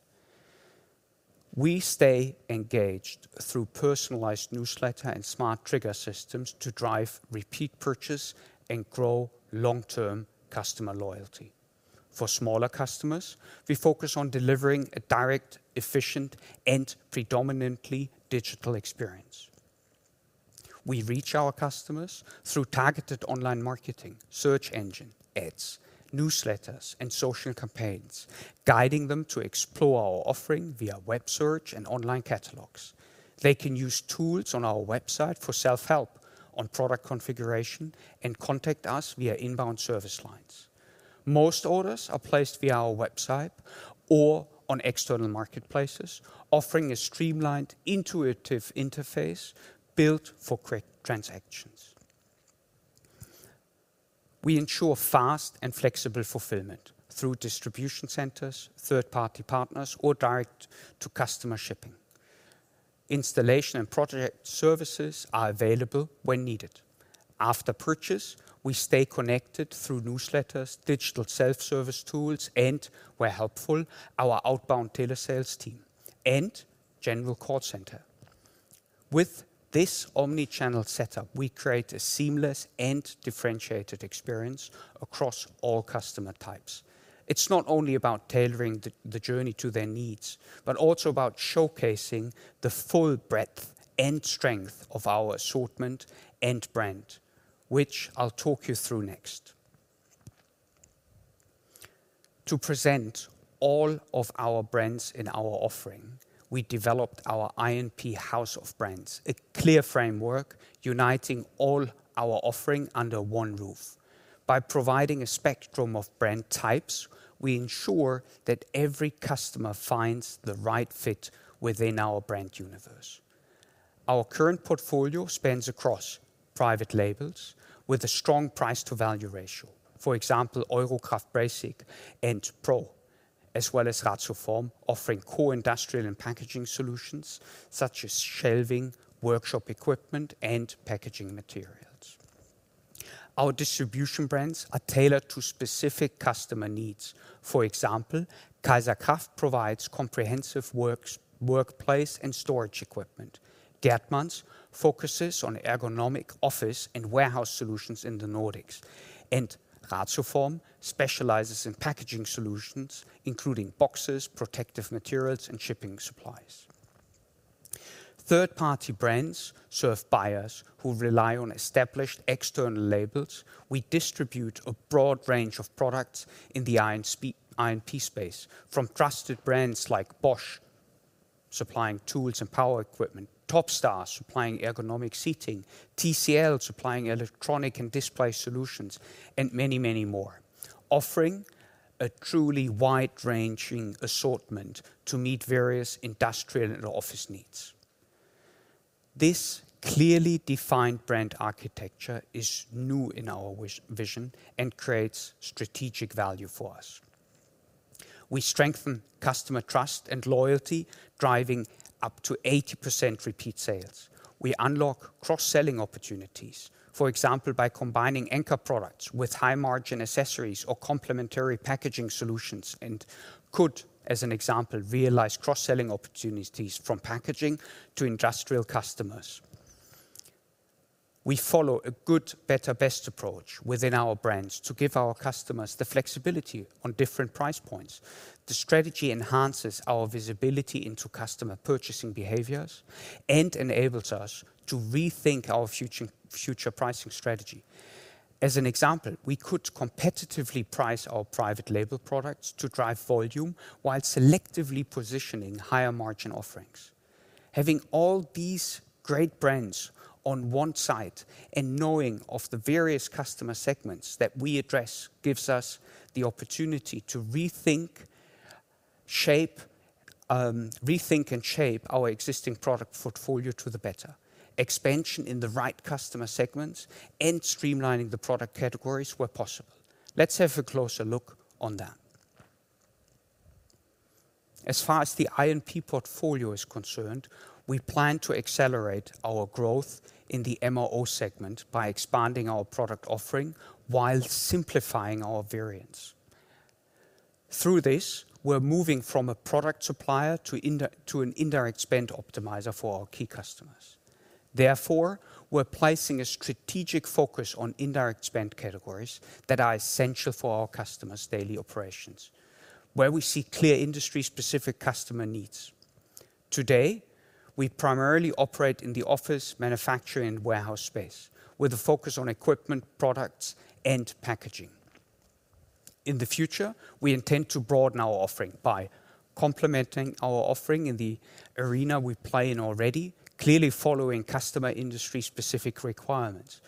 We stay engaged through personalized newsletter and smart trigger systems to drive repeat purchase and grow long-term customer loyalty. For smaller customers, we focus on delivering a direct, efficient, and predominantly digital experience. We reach our customers through targeted online marketing, search engine ads, newsletters, and social campaigns, guiding them to explore our offering via web search and online catalogs. They can use tools on our website for self-help on product configuration and contact us via inbound service lines. Most orders are placed via our website or on external marketplaces, offering a streamlined, intuitive interface built for quick transactions. We ensure fast and flexible fulfillment through distribution centers, third-party partners, or direct-to-customer shipping. Installation and project services are available when needed. After purchase, we stay connected through newsletters, digital self-service tools, and, where helpful, our outbound tailor sales team and general call center. With this omnichannel setup, we create a seamless and differentiated experience across all customer types. It's not only about tailoring the journey to their needs, but also about showcasing the full breadth and strength of our assortment and brand, which I'll talk you through next. To present all of our brands in our offering, we developed our I&P House of Brands, a clear framework uniting all our offering under one roof. By providing a spectrum of brand types, we ensure that every customer finds the right fit within our brand universe. Our current portfolio spans across private labels with a strong price-to-value ratio, for example, eurokraft Basic and Pro, as well as ratioform, offering core industrial and packaging solutions such as shelving, workshop equipment, and packaging materials. Our distribution brands are tailored to specific customer needs. For example, kaiserkraft provides comprehensive workplace and storage equipment. Gerdmans focuses on ergonomic office and warehouse solutions in the Nordics, and ratioform specializes in packaging solutions, including boxes, protective materials, and shipping supplies. Third-party brands serve buyers who rely on established external labels. We distribute a broad range of products in the I&P space, from trusted brands like Bosch supplying tools and power equipment, Topstar supplying ergonomic seating, TCL supplying electronic and display solutions, and many, many more, offering a truly wide-ranging assortment to meet various industrial and office needs. This clearly defined brand architecture is new in our vision and creates strategic value for us. We strengthen customer trust and loyalty, driving up to 80% repeat sales. We unlock cross-selling opportunities, for example, by combining anchor products with high-margin accessories or complementary packaging solutions and could, as an example, realize cross-selling opportunities from packaging to industrial customers. We follow a good, better, best approach within our brands to give our customers the flexibility on different price points. The strategy enhances our visibility into customer purchasing behaviors and enables us to rethink our future pricing strategy. As an example, we could competitively price our private label products to drive volume while selectively positioning higher margin offerings. Having all these great brands on one side and knowing of the various customer segments that we address gives us the opportunity to rethink and shape our existing product portfolio to the better. Expansion in the right customer segments and streamlining the product categories where possible. Let's have a closer look on that. As far as the I&P portfolio is concerned, we plan to accelerate our growth in the MRO segment by expanding our product offering while simplifying our variants. Through this, we're moving from a product supplier to an indirect spend optimizer for our key customers. Therefore, we're placing a strategic focus on indirect spend categories that are essential for our customers' daily operations, where we see clear industry-specific customer needs. Today, we primarily operate in the office, manufacturing, and warehouse space with a focus on equipment, products, and packaging. In the future, we intend to broaden our offering by complementing our offering in the arena we play in already, clearly following customer industry-specific requirements,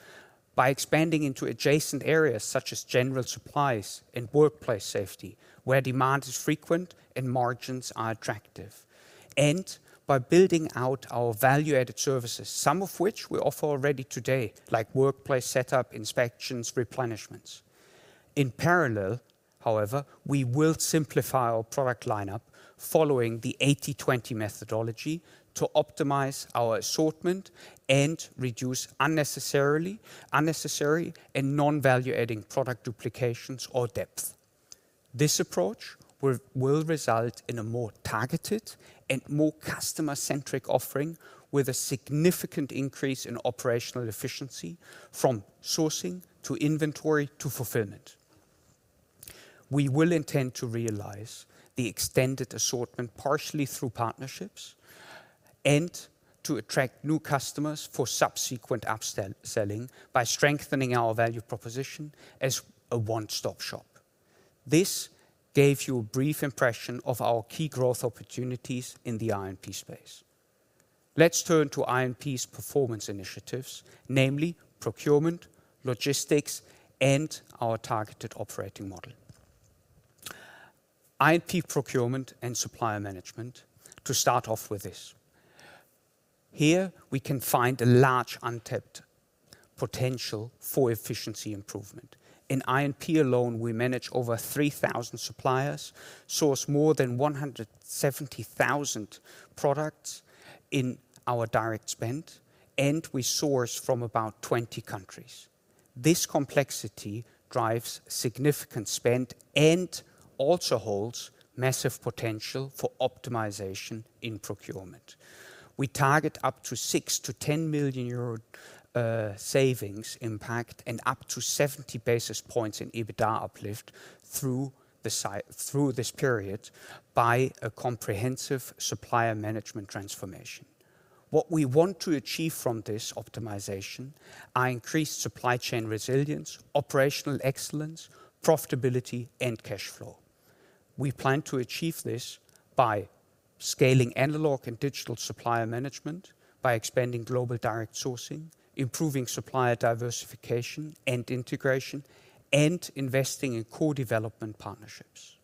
by expanding into adjacent areas such as general supplies and workplace safety, where demand is frequent and margins are attractive, and by building out our value-added services, some of which we offer already today, like workplace setup, inspections, replenishments. In parallel, however, we will simplify our product lineup following the 80/20 methodology to optimize our assortment and reduce unnecessary and non-value-adding product duplications or depth. This approach will result in a more targeted and more customer-centric offering with a significant increase in operational efficiency from sourcing to inventory to fulfillment. We will intend to realize the extended assortment partially through partnerships and to attract new customers for subsequent upselling by strengthening our value proposition as a one-stop shop. This gave you a brief impression of our key growth opportunities in the I&P space. Let's turn to I&P's performance initiatives, namely procurement, logistics, and our targeted operating model. I&P procurement and supplier management to start off with this. Here we can find a large untapped potential for efficiency improvement. In I&P alone, we manage over 3,000 suppliers, source more than 170,000 products in our direct spend, and we source from about 20 countries. This complexity drives significant spend and also holds massive potential for optimization in procurement. We target up to 6 million-10 million euro savings impact and up to 70 basis points in EBITDA uplift through this period by a comprehensive supplier management transformation. What we want to achieve from this optimization is increased supply chain resilience, operational excellence, profitability, and cash flow. We plan to achieve this by scaling analog and digital supplier management, by expanding global direct sourcing, improving supplier diversification and integration, and investing in core development partnerships.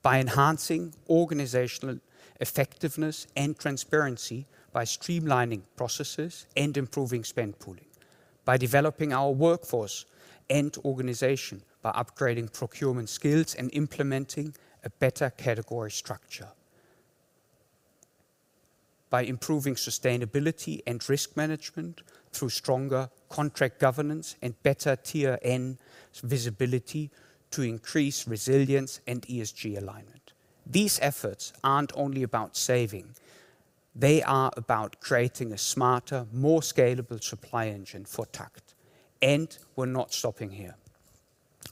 By enhancing organizational effectiveness and transparency, by streamlining processes and improving spend pooling, by developing our workforce and organization, by upgrading procurement skills and implementing a better category structure, by improving sustainability and risk management through stronger contract governance and better tier-n visibility to increase resilience and ESG alignment. These efforts are not only about saving. They are about creating a smarter, more scalable supply engine for TAKKT. We are not stopping here.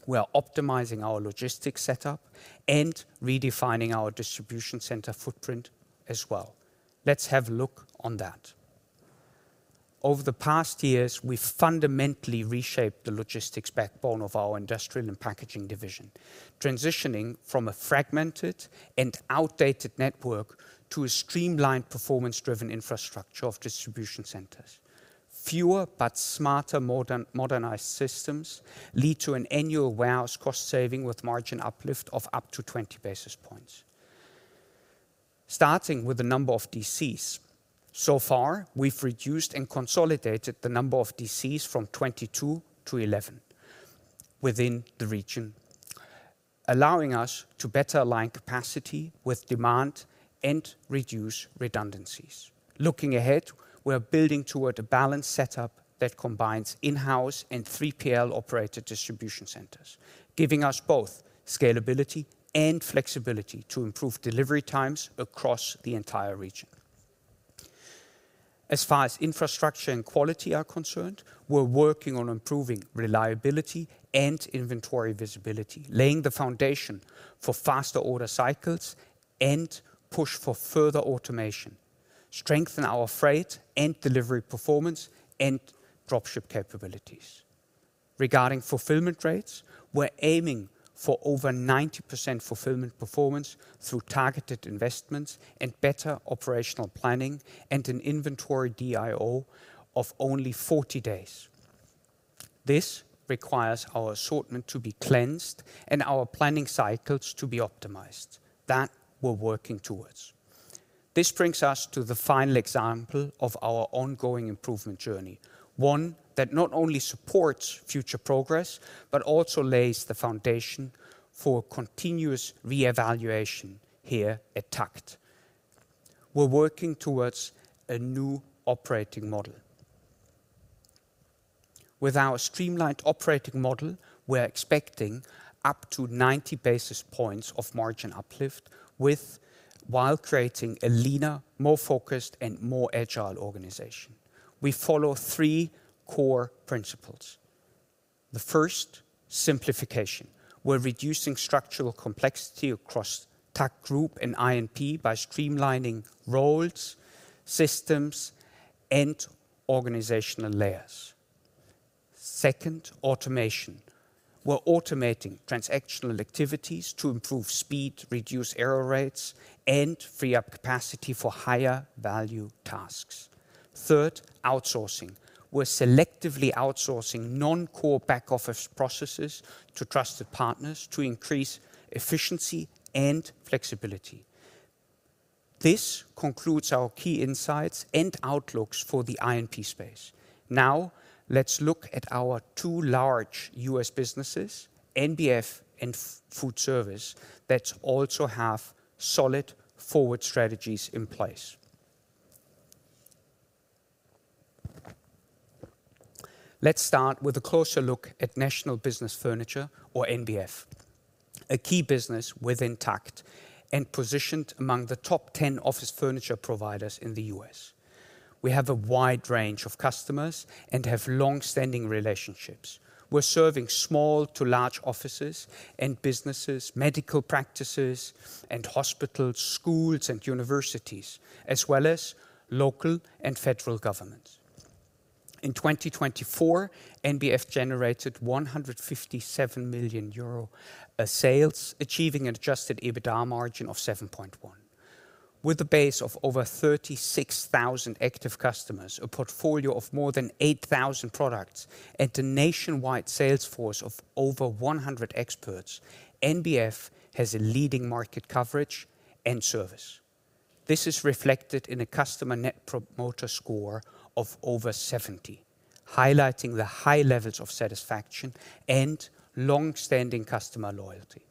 We are optimizing our logistics setup and redefining our distribution center footprint as well. Let's have a look at that. Over the past years, we have fundamentally reshaped the logistics backbone of our Industrial Packaging division, transitioning from a fragmented and outdated network to a streamlined performance-driven infrastructure of distribution centers. Fewer but smarter modernized systems lead to an annual warehouse cost saving with margin uplift of up to 20 basis points, starting with the number of DCs. So far, we've reduced and consolidated the number of DCs from 22 to 11 within the region, allowing us to better align capacity with demand and reduce redundancies. Looking ahead, we're building toward a balanced setup that combines in-house and 3PL operated distribution centers, giving us both scalability and flexibility to improve delivery times across the entire region. As far as infrastructure and quality are concerned, we're working on improving reliability and inventory visibility, laying the foundation for faster order cycles and push for further automation, strengthening our freight and delivery performance and dropship capabilities. Regarding fulfillment rates, we're aiming for over 90% fulfillment performance through targeted investments and better operational planning and an inventory DIO of only 40 days. This requires our assortment to be cleansed and our planning cycles to be optimized. That we're working towards. This brings us to the final example of our ongoing improvement journey, one that not only supports future progress, but also lays the foundation for continuous reevaluation here at TAKKT. We're working towards a new operating model. With our streamlined operating model, we're expecting up to 90 basis points of margin uplift while creating a leaner, more focused, and more agile organization. We follow three core principles. The first, simplification. We're reducing structural complexity across TAKKT group and I&P by streamlining roles, systems, and organizational layers. Second, automation. We're automating transactional activities to improve speed, reduce error rates, and free up capacity for higher value tasks. Third, outsourcing. We're selectively outsourcing non-core back-office processes to trusted partners to increase efficiency and flexibility. This concludes our key insights and outlooks for the I&P space. Now, let's look at our two large U.S. businesses, NBF and Food Service, that also have solid forward strategies in place. Let's start with a closer look at National Business Furniture, or NBF, a key business within TAKKT and positioned among the top 10 office furniture providers in the U.S. We have a wide range of customers and have long-standing relationships. We're serving small to large offices and businesses, medical practices and hospitals, schools and universities, as well as local and federal governments. In 2024, NBF generated 157 million euro sales, achieving an adjusted EBITDA margin of 7.1%. With a base of over 36,000 active customers, a portfolio of more than 8,000 products, and a nationwide sales force of over 100 experts, NBF has a leading market coverage and service. This is reflected in a customer net promoter score of over 70, highlighting the high levels of satisfaction and long-standing customer loyalty.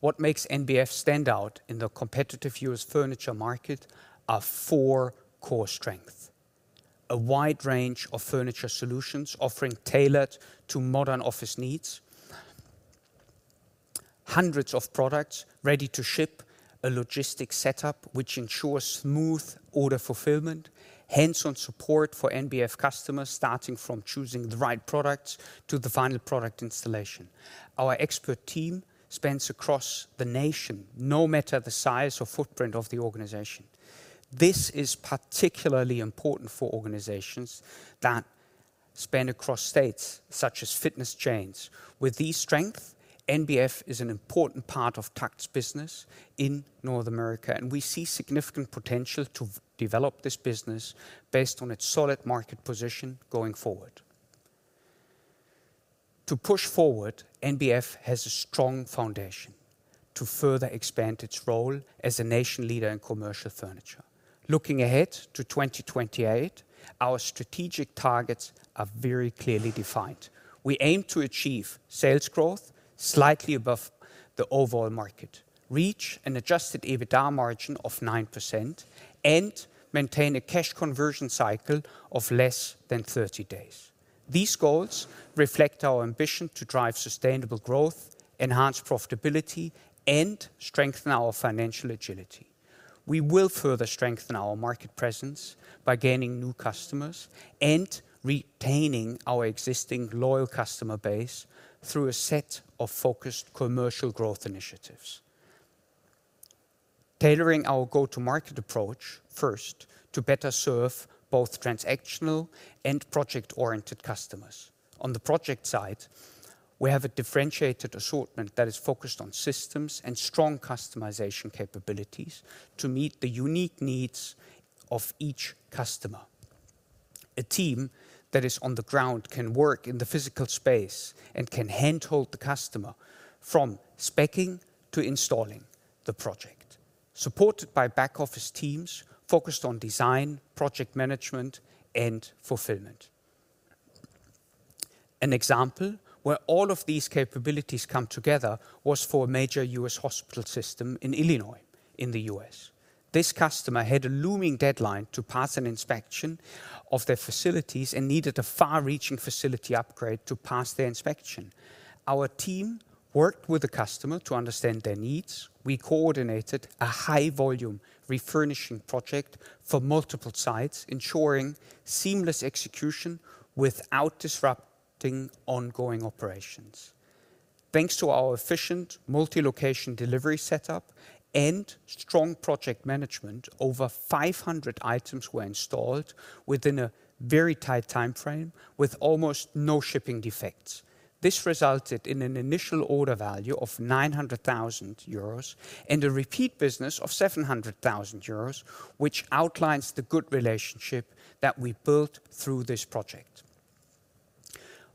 What makes NBF stand out in the competitive U.S. furniture market are four core strengths: a wide range of furniture solutions offering tailored to modern office needs, hundreds of products ready to ship, a logistics setup which ensures smooth order fulfillment, hands-on support for NBF customers starting from choosing the right products to the final product installation. Our expert team spans across the nation, no matter the size or footprint of the organization. This is particularly important for organizations that span across states such as fitness chains. With these strengths, NBF is an important part of TAKKT's business in North America, and we see significant potential to develop this business based on its solid market position going forward. To push forward, NBF has a strong foundation to further expand its role as a nation leader in commercial furniture. Looking ahead to 2028, our strategic targets are very clearly defined. We aim to achieve sales growth slightly above the overall market, reach an adjusted EBITDA margin of 9%, and maintain a cash conversion cycle of less than 30 days. These goals reflect our ambition to drive sustainable growth, enhance profitability, and strengthen our financial agility. We will further strengthen our market presence by gaining new customers and retaining our existing loyal customer base through a set of focused commercial growth initiatives, tailoring our go-to-market approach first to better serve both transactional and project-oriented customers. On the project side, we have a differentiated assortment that is focused on systems and strong customization capabilities to meet the unique needs of each customer. A team that is on the ground can work in the physical space and can handhold the customer from speccing to installing the project, supported by back-office teams focused on design, project management, and fulfillment. An example where all of these capabilities come together was for a major U.S. hospital system in Illinois in the U.S. This customer had a looming deadline to pass an inspection of their facilities and needed a far-reaching facility upgrade to pass their inspection. Our team worked with the customer to understand their needs. We coordinated a high-volume refurnishing project for multiple sites, ensuring seamless execution without disrupting ongoing operations. Thanks to our efficient multi-location delivery setup and strong project management, over 500 items were installed within a very tight timeframe with almost no shipping defects. This resulted in an initial order value of 900,000 euros and a repeat business of 700,000 euros, which outlines the good relationship that we built through this project.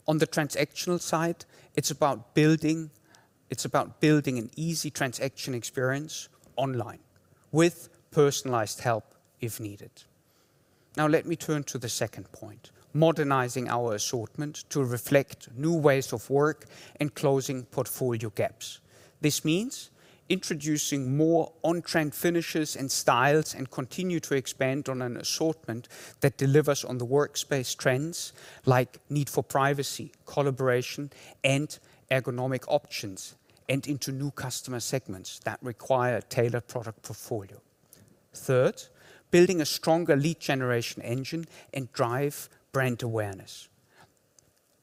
On the transactional side, it is about building an easy transaction experience online with personalized help if needed. Now, let me turn to the second point: modernizing our assortment to reflect new ways of work and closing portfolio gaps. This means introducing more on-trend finishes and styles and continuing to expand on an assortment that delivers on the workspace trends like need for privacy, collaboration, and ergonomic options, and into new customer segments that require a tailored product portfolio. Third, building a stronger lead generation engine and drive brand awareness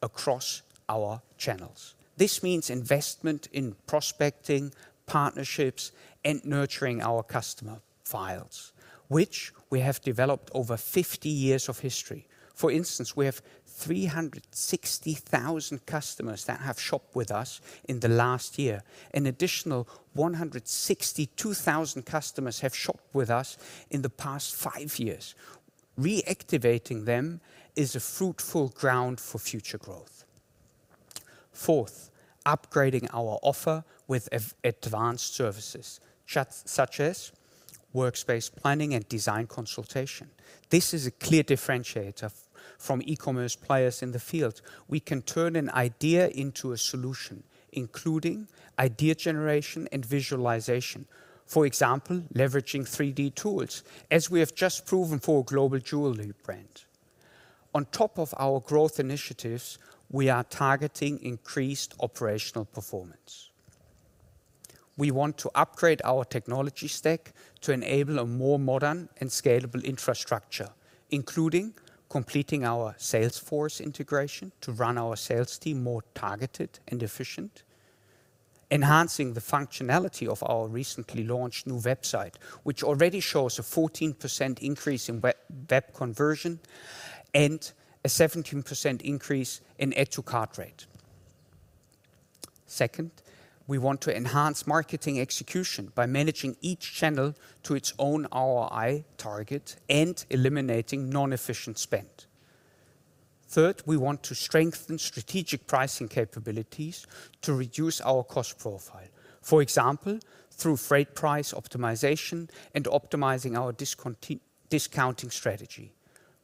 across our channels. This means investment in prospecting, partnerships, and nurturing our customer files, which we have developed over 50 years of history. For instance, we have 360,000 customers that have shopped with us in the last year. An additional 162,000 customers have shopped with us in the past five years. Reactivating them is a fruitful ground for future growth. Fourth, upgrading our offer with advanced services such as workspace planning and design consultation. This is a clear differentiator from e-commerce players in the field. We can turn an idea into a solution, including idea generation and visualization, for example, leveraging 3D tools, as we have just proven for a global jewelry brand. On top of our growth initiatives, we are targeting increased operational performance. We want to upgrade our technology stack to enable a more modern and scalable infrastructure, including completing our Salesforce integration to run our sales team more targeted and efficient, enhancing the functionality of our recently launched new website, which already shows a 14% increase in web conversion and a 17% increase in add-to-cart rate. Second, we want to enhance marketing execution by managing each channel to its own ROI target and eliminating non-efficient spend. Third, we want to strengthen strategic pricing capabilities to reduce our cost profile, for example, through freight price optimization and optimizing our discounting strategy.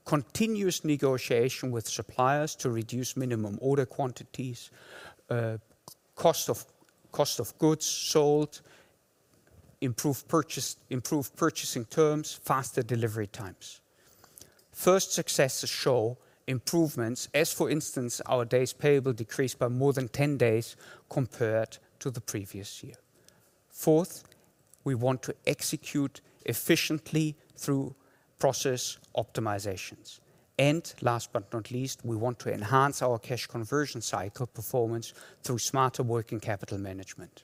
Continuous negotiation with suppliers to reduce minimum order quantities, cost of goods sold, improve purchasing terms, faster delivery times. First successes show improvements, as for instance, our days payable decreased by more than 10 days compared to the previous year. Fourth, we want to execute efficiently through process optimizations. Last but not least, we want to enhance our cash conversion cycle performance through smarter working capital management.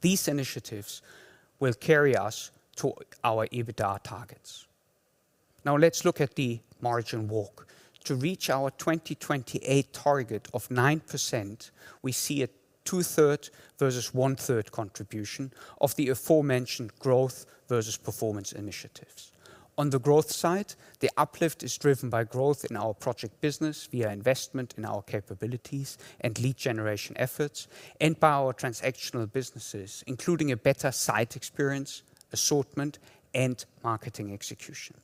These initiatives will carry us to our EBITDA targets. Now, let's look at the margin walk. To reach our 2028 target of 9%, we see a two-third versus one-third contribution of the aforementioned growth versus performance initiatives. On the growth side, the uplift is driven by growth in our project business via investment in our capabilities and lead generation efforts and by our transactional businesses, including a better site experience, assortment, and marketing execution.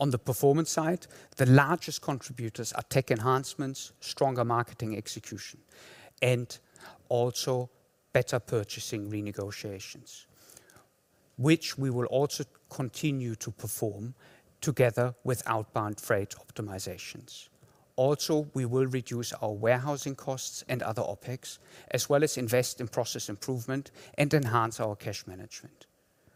On the performance side, the largest contributors are tech enhancements, stronger marketing execution, and also better purchasing renegotiations, which we will also continue to perform together with outbound freight optimizations. Also, we will reduce our warehousing costs and other OpEx, as well as invest in process improvement and enhance our cash management.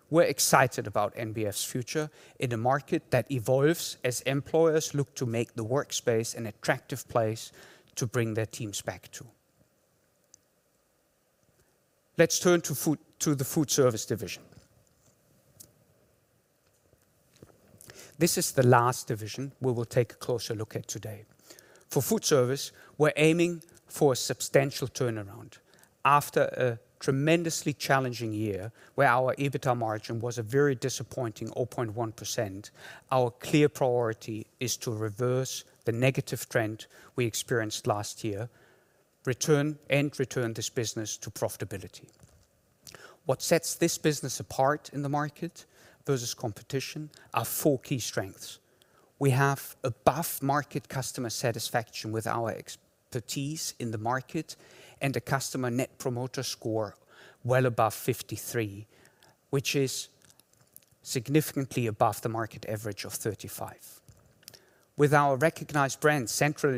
We're excited about NBF's future in a market that evolves as employers look to make the workspace an attractive place to bring their teams back to. Let's turn to the Food Service division. This is the last division we will take a closer look at today. For Food Service, we're aiming for a substantial turnaround. After a tremendously challenging year where our EBITDA margin was a very disappointing 0.1%, our clear priority is to reverse the negative trend we experienced last year and return this business to profitability. What sets this business apart in the market versus competition are four key strengths. We have above-market customer satisfaction with our expertise in the market and a customer net promoter score well above 53, which is significantly above the market average of 35. With our recognized brand, Central,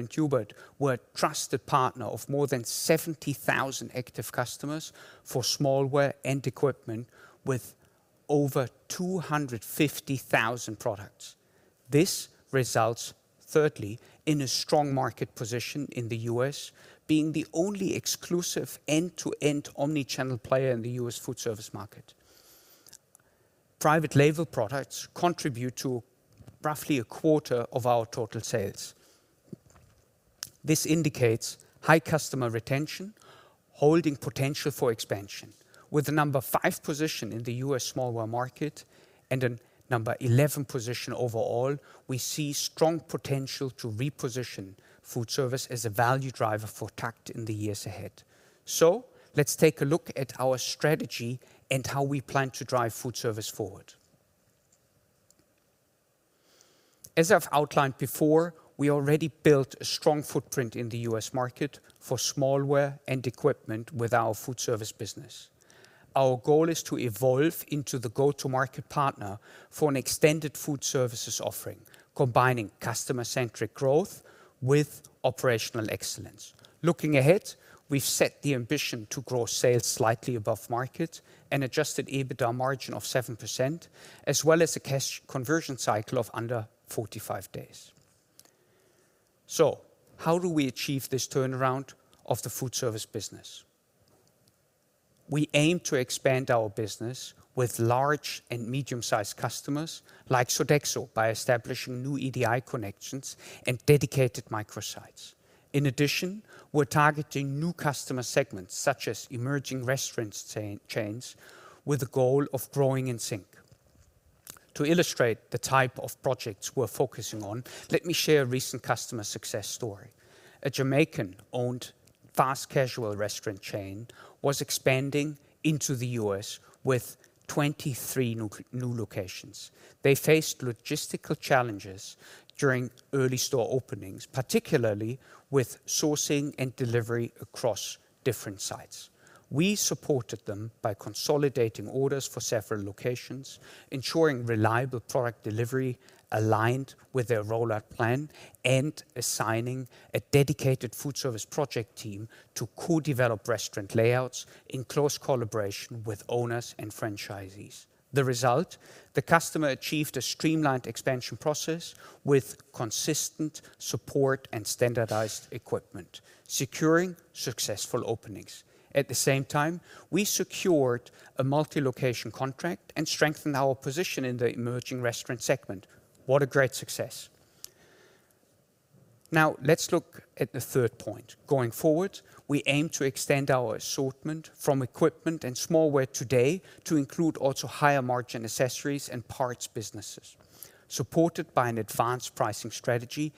we are a trusted partner of more than 70,000 active customers for smallware and equipment with over 250,000 products. This results, thirdly, in a strong market position in the U.S., being the only exclusive end-to-end omnichannel player in the U.S. food service market. Private label products contribute to roughly a quarter of our total sales. This indicates high customer retention, holding potential for expansion. With the number five position in the U.S. smallware market and a number 11 position overall, we see strong potential to reposition Food Service as a value driver for TAKKT in the years ahead. Let us take a look at our strategy and how we plan to drive Food Service forward. As I have outlined before, we already built a strong footprint in the U.S. market for smallware and equipment with our Food Service business. Our goal is to evolve into the go-to-market partner for an extended food services offering, combining customer-centric growth with operational excellence. Looking ahead, we've set the ambition to grow sales slightly above market and adjusted EBITDA margin of 7%, as well as a cash conversion cycle of under 45 days. How do we achieve this turnaround of the food service business? We aim to expand our business with large and medium-sized customers like Sodexo by establishing new EDI connections and dedicated microsites. In addition, we're targeting new customer segments such as emerging restaurant chains with a goal of growing in sync. To illustrate the type of projects we're focusing on, let me share a recent customer success story. A Jamaican-owned fast casual restaurant chain was expanding into the U.S. with 23 new locations. They faced logistical challenges during early store openings, particularly with sourcing and delivery across different sites. We supported them by consolidating orders for several locations, ensuring reliable product delivery aligned with their rollout plan, and assigning a dedicated Food Service project team to co-develop restaurant layouts in close collaboration with owners and franchisees. The result? The customer achieved a streamlined expansion process with consistent support and standardized equipment, securing successful openings. At the same time, we secured a multi-location contract and strengthened our position in the emerging restaurant segment. What a great success. Now, let's look at the third point. Going forward, we aim to extend our assortment from equipment and smallware today to include also higher-margin accessories and parts businesses, supported by an advanced pricing strategy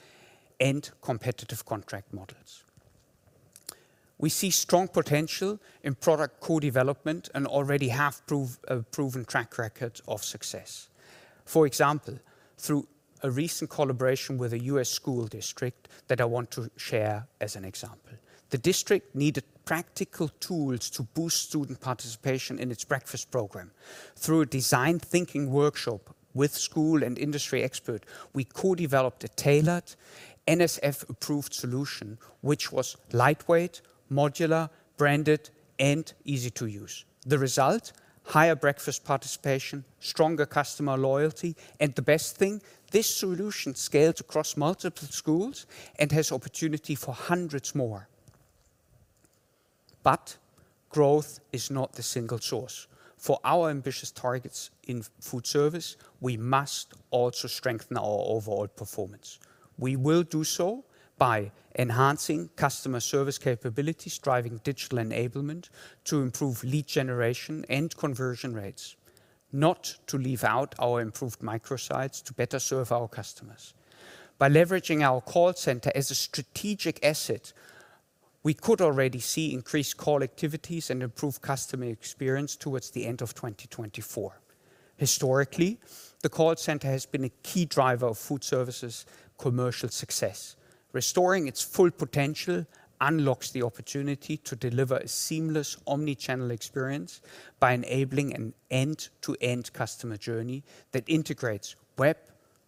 and competitive contract models. We see strong potential in product co-development and already have proven track records of success. For example, through a recent collaboration with a U.S. school district that I want to share as an example. The district needed practical tools to boost student participation in its breakfast program. Through a design thinking workshop with school and industry experts, we co-developed a tailored NSF-approved solution, which was lightweight, modular, branded, and easy to use. The result? Higher breakfast participation, stronger customer loyalty, and the best thing? This solution scaled across multiple schools and has opportunity for hundreds more. Growth is not the single source. For our ambitious targets in food service, we must also strengthen our overall performance. We will do so by enhancing customer service capabilities, driving digital enablement to improve lead generation and conversion rates, not to leave out our improved microsites to better serve our customers. By leveraging our call center as a strategic asset, we could already see increased call activities and improved customer experience towards the end of 2024. Historically, the call center has been a key driver of Food Service's commercial success. Restoring its full potential unlocks the opportunity to deliver a seamless omnichannel experience by enabling an end-to-end customer journey that integrates web,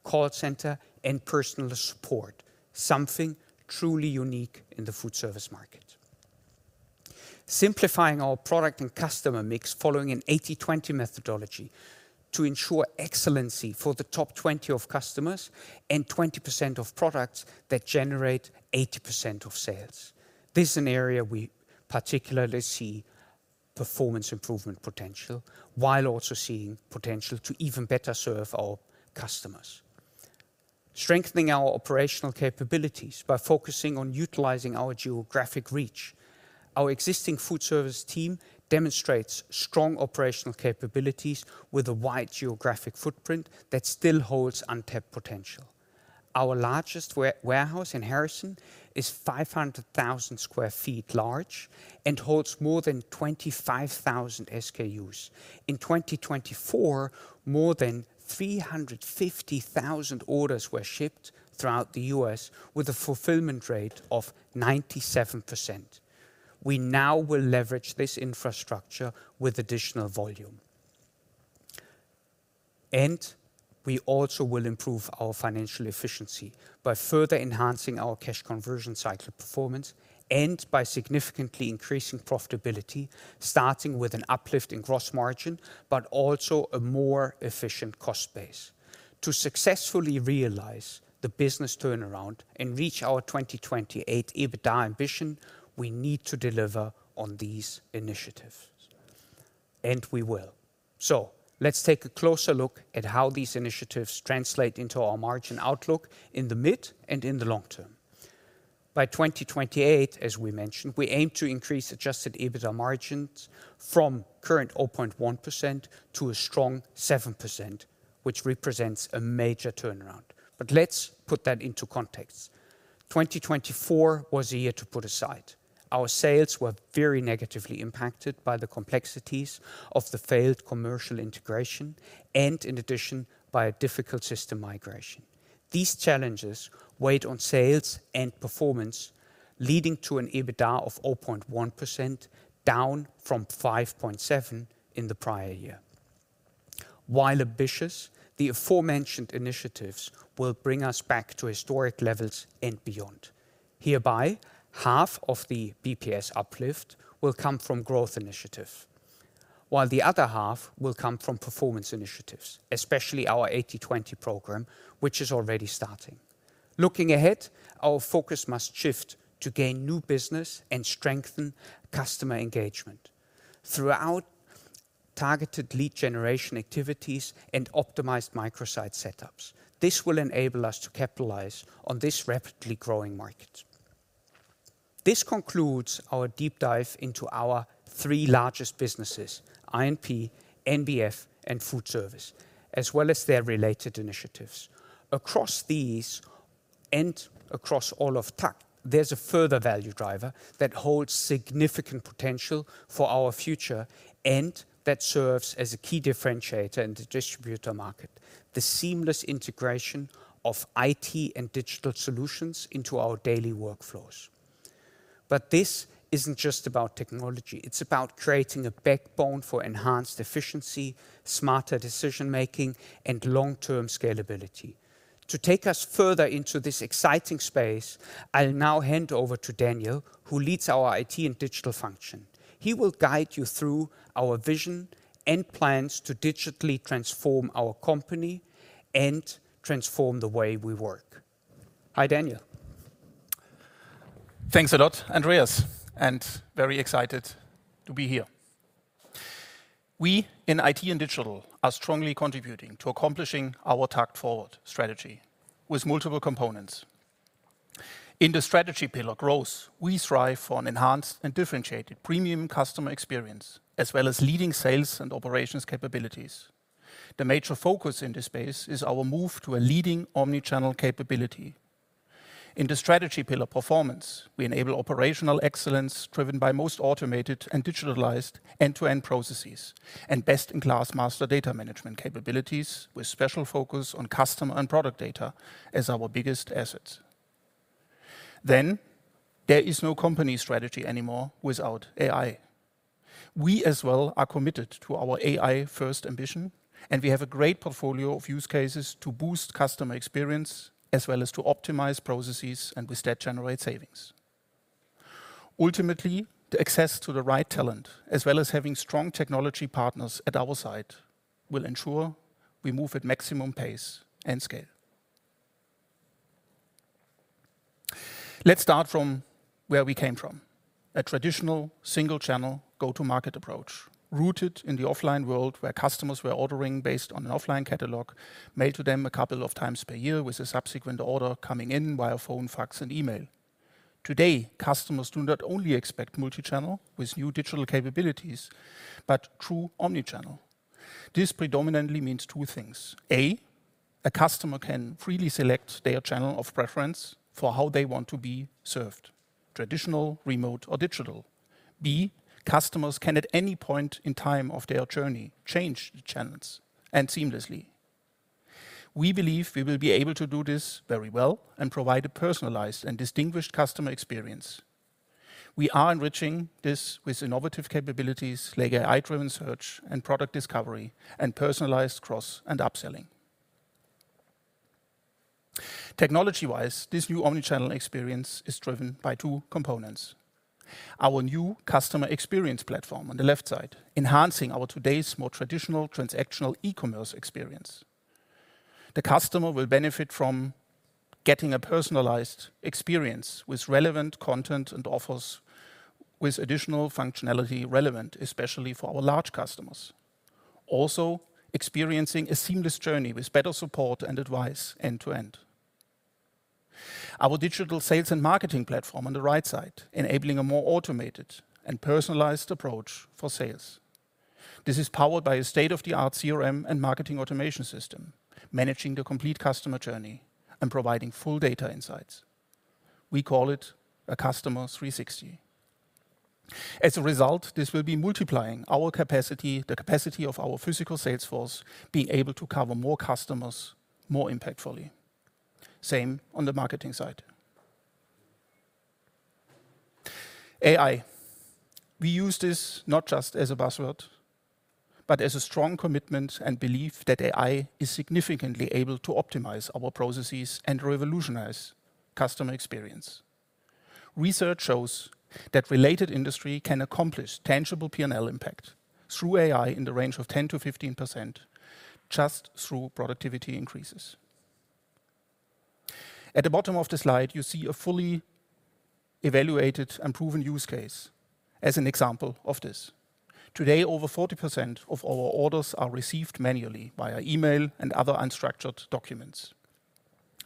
call center, and personalized support, something truly unique in the food service market. Simplifying our product and customer mix following an 80/20 methodology to ensure excellency for the top 20% of customers and 20% of products that generate 80% of sales. This is an area we particularly see performance improvement potential while also seeing potential to even better serve our customers. Strengthening our operational capabilities by focusing on utilizing our geographic reach. Our existing Food Service team demonstrates strong operational capabilities with a wide geographic footprint that still holds untapped potential. Our largest warehouse in Harrison is 500,000 sq ft large and holds more than 25,000 SKUs. In 2024, more than 350,000 orders were shipped throughout the U.S. with a fulfillment rate of 97%. We now will leverage this infrastructure with additional volume. We also will improve our financial efficiency by further enhancing our cash conversion cycle performance and by significantly increasing profitability, starting with an uplift in gross margin, but also a more efficient cost base. To successfully realize the business turnaround and reach our 2028 EBITDA ambition, we need to deliver on these initiatives. We will. Let's take a closer look at how these initiatives translate into our margin outlook in the mid and in the long term. By 2028, as we mentioned, we aim to increase adjusted EBITDA margins from current 0.1% to a strong 7%, which represents a major turnaround. Let's put that into context. 2024 was a year to put aside. Our sales were very negatively impacted by the complexities of the failed commercial integration and, in addition, by a difficult system migration. These challenges weighed on sales and performance, leading to an EBITDA of 0.1%, down from 5.7% in the prior year. While ambitious, the aforementioned initiatives will bring us back to historic levels and beyond. Hereby, half of the basis points uplift will come from growth initiatives, while the other half will come from performance initiatives, especially our 80/20 program, which is already starting. Looking ahead, our focus must shift to gain new business and strengthen customer engagement throughout targeted lead generation activities and optimized microsite setups. This will enable us to capitalize on this rapidly growing market. This concludes our deep dive into our three largest businesses: I&P, NBF, and Food Service, as well as their related initiatives. Across these and across all of TAKKT, there's a further value driver that holds significant potential for our future and that serves as a key differentiator in the distributor market: the seamless integration of IT and digital solutions into our daily workflows. This is not just about technology. It is about creating a backbone for enhanced efficiency, smarter decision-making, and long-term scalability. To take us further into this exciting space, I will now hand over to Daniel, who leads our IT and digital function. He will guide you through our vision and plans to digitally transform our company and transform the way we work. Hi, Daniel. Thanks a lot, Andreas, and very excited to be here. We in IT and digital are strongly contributing to accomplishing our TAKKT Forward strategy with multiple components. In the strategy pillar growth, we strive for an enhanced and differentiated premium customer experience, as well as leading sales and operations capabilities. The major focus in this space is our move to a leading omnichannel capability. In the strategy pillar performance, we enable operational excellence driven by most automated and digitalized end-to-end processes and best-in-class master data management capabilities with special focus on customer and product data as our biggest assets. There is no company strategy anymore without AI. We, as well, are committed to our AI-first ambition, and we have a great portfolio of use cases to boost customer experience as well as to optimize processes and with that generate savings. Ultimately, the access to the right talent, as well as having strong technology partners at our side, will ensure we move at maximum pace and scale. Let's start from where we came from: a traditional single-channel go-to-market approach rooted in the offline world where customers were ordering based on an offline catalog, mailed to them a couple of times per year with a subsequent order coming in via phone, fax, and email. Today, customers do not only expect multi-channel with new digital capabilities, but true omnichannel. This predominantly means two things. A, a customer can freely select their channel of preference for how they want to be served: traditional, remote, or digital. B, customers can at any point in time of their journey change the channels and seamlessly. We believe we will be able to do this very well and provide a personalized and distinguished customer experience. We are enriching this with innovative capabilities like AI-driven search and product discovery and personalized cross and upselling. Technology-wise, this new omnichannel experience is driven by two components: our new customer experience platform on the left side, enhancing our today's more traditional transactional e-commerce experience. The customer will benefit from getting a personalized experience with relevant content and offers with additional functionality relevant, especially for our large customers. Also, experiencing a seamless journey with better support and advice end-to-end. Our digital sales and marketing platform on the right side, enabling a more automated and personalized approach for sales. This is powered by a state-of-the-art CRM and marketing automation system, managing the complete customer journey and providing full data insights. We call it a Customer 360. As a result, this will be multiplying our capacity, the capacity of our physical sales force, being able to cover more customers more impactfully. Same on the marketing side. AI. We use this not just as a buzzword, but as a strong commitment and belief that AI is significantly able to optimize our processes and revolutionize customer experience. Research shows that related industry can accomplish tangible P&L impact through AI in the range of 10%-15% just through productivity increases. At the bottom of the slide, you see a fully evaluated and proven use case as an example of this. Today, over 40% of our orders are received manually via email and other unstructured documents.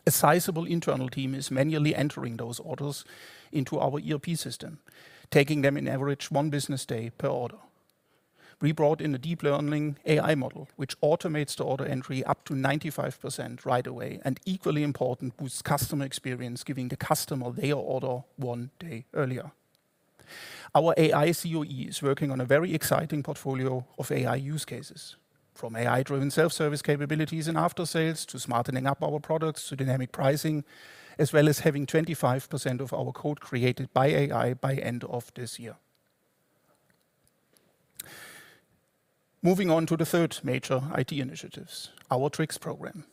A sizable internal team is manually entering those orders into our ERP system, taking them in average one business day per order. We brought in a deep learning AI model, which automates the order entry up to 95% right away and equally important boosts customer experience, giving the customer their order one day earlier. Our AI CoE is working on a very exciting portfolio of AI use cases, from AI-driven self-service capabilities in after-sales to smartening up our products to dynamic pricing, as well as having 25% of our code created by AI by the end of this year. Moving on to the third major IT initiative, our TRICX program.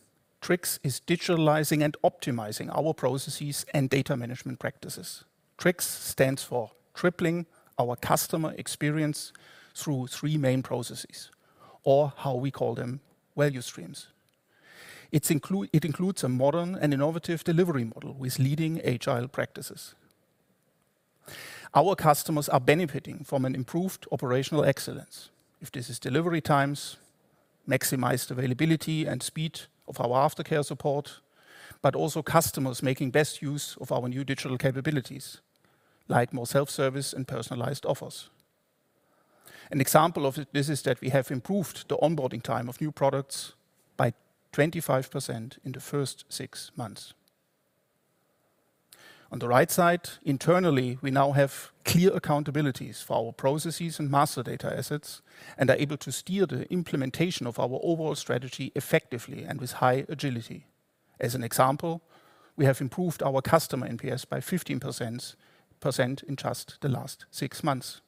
TRICX is digitalizing and optimizing our processes and data management practices. TRICX stands for tripling our customer experience through three main processes, or how we call them, value streams. It includes a modern and innovative delivery model with leading agile practices. Our customers are benefiting from an improved operational excellence. If this is delivery times, maximized availability and speed of our after-care support, but also customers making best use of our new digital capabilities, like more self-service and personalized offers. An example of this is that we have improved the onboarding time of new products by 25% in the first six months. On the right side, internally, we now have clear accountabilities for our processes and master data assets and are able to steer the implementation of our overall strategy effectively and with high agility. As an example, we have improved our customer NPS by 15% in just the last six months.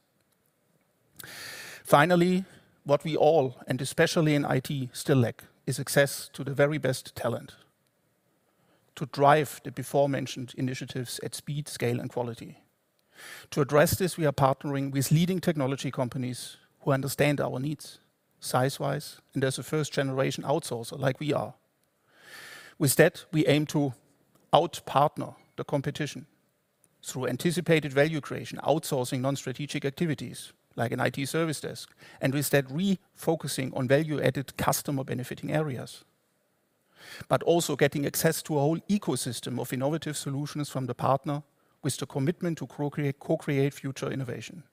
Finally, what we all, and especially in IT, still lack is access to the very best talent to drive the before-mentioned initiatives at speed, scale, and quality. To address this, we are partnering with leading technology companies who understand our needs size-wise and as a first-generation outsourcer like we are. With that, we aim to out-partner the competition through anticipated value creation, outsourcing non-strategic activities like an IT service desk, and with that, refocusing on value-added customer-benefiting areas, but also getting access to a whole ecosystem of innovative solutions from the partner with the commitment to co-create future innovation,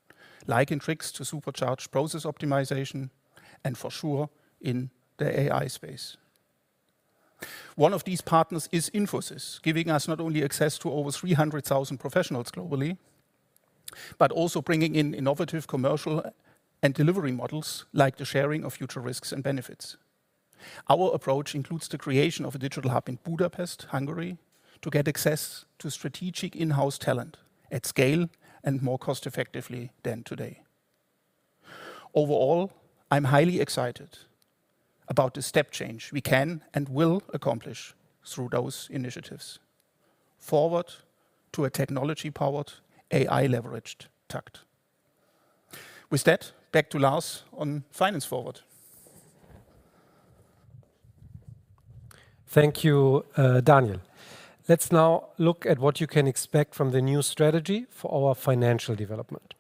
like in TRICX to supercharge process optimization and for sure in the AI space. One of these partners is Infosys, giving us not only access to over 300,000 professionals globally, but also bringing in innovative commercial and delivery models like the sharing of future risks and benefits. Our approach includes the creation of a digital hub in Budapest, Hungary, to get access to strategic in-house talent at scale and more cost-effectively than today. Overall, I'm highly excited about the step change we can and will accomplish through those initiatives forward to a technology-powered, AI-leveraged TAKKT. With that, back to Lars on Finance Forward. Thank you, Daniel. Let's now look at what you can expect from the new strategy for our financial development.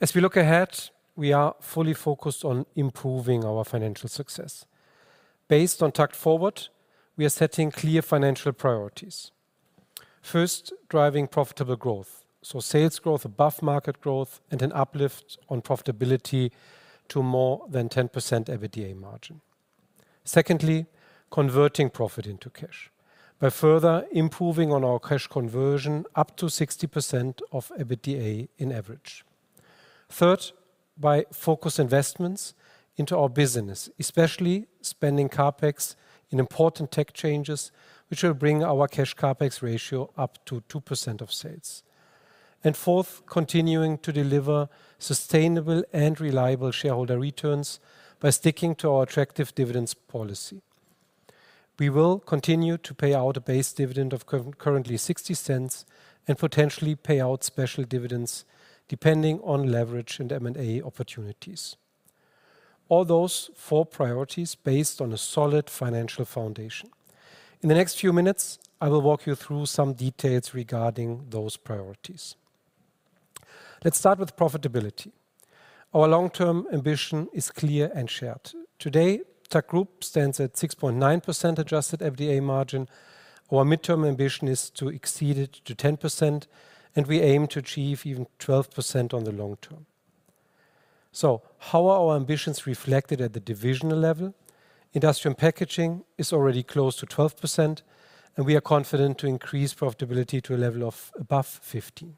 As we look ahead, we are fully focused on improving our financial success. Based on TAKKT Forward, we are setting clear financial priorities. First, driving profitable growth, so sales growth above market growth and an uplift on profitability to more than 10% EBITDA margin. Secondly, converting profit into cash by further improving our cash conversion up to 60% of EBITDA in average. Third, by focusing investments into our business, especially spending CapEx in important tech changes, which will bring our cash-CapEx ratio up to 2% of sales. Fourth, continuing to deliver sustainable and reliable shareholder returns by sticking to our attractive dividends policy. We will continue to pay out a base dividend of currently 0.60 and potentially pay out special dividends depending on leverage and M&A opportunities. All those four priorities based on a solid financial foundation. In the next few minutes, I will walk you through some details regarding those priorities. Let's start with profitability. Our long-term ambition is clear and shared. Today, TAKKT Group stands at 6.9% adjusted EBITDA margin. Our midterm ambition is to exceed it to 10%, and we aim to achieve even 12% on the long term. How are our ambitions reflected at the divisional level? Industrial Packaging is already close to 12%, and we are confident to increase profitability to a level of above 15%.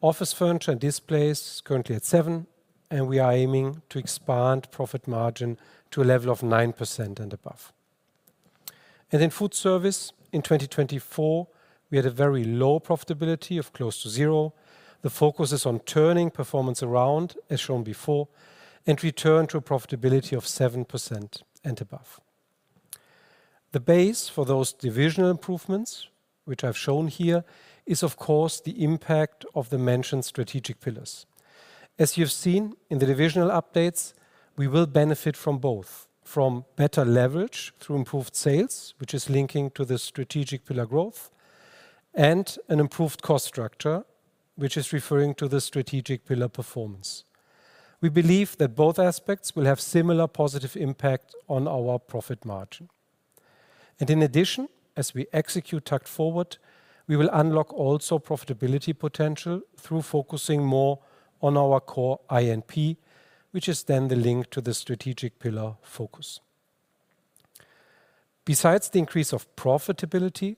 Office Furniture and Displays currently at 7%, and we are aiming to expand profit margin to a level of 9% and above. In food service, in 2024, we had a very low profitability of close to zero. The focus is on turning performance around, as shown before, and return to a profitability of 7% and above. The base for those divisional improvements, which I've shown here, is of course the impact of the mentioned strategic pillars. As you've seen in the divisional updates, we will benefit from both, from better leverage through improved sales, which is linking to the strategic pillar growth, and an improved cost structure, which is referring to the strategic pillar performance. We believe that both aspects will have similar positive impact on our profit margin. In addition, as we execute TAKKT Forward, we will unlock also profitability potential through focusing more on our core I&P, which is then the link to the strategic pillar focus. Besides the increase of profitability,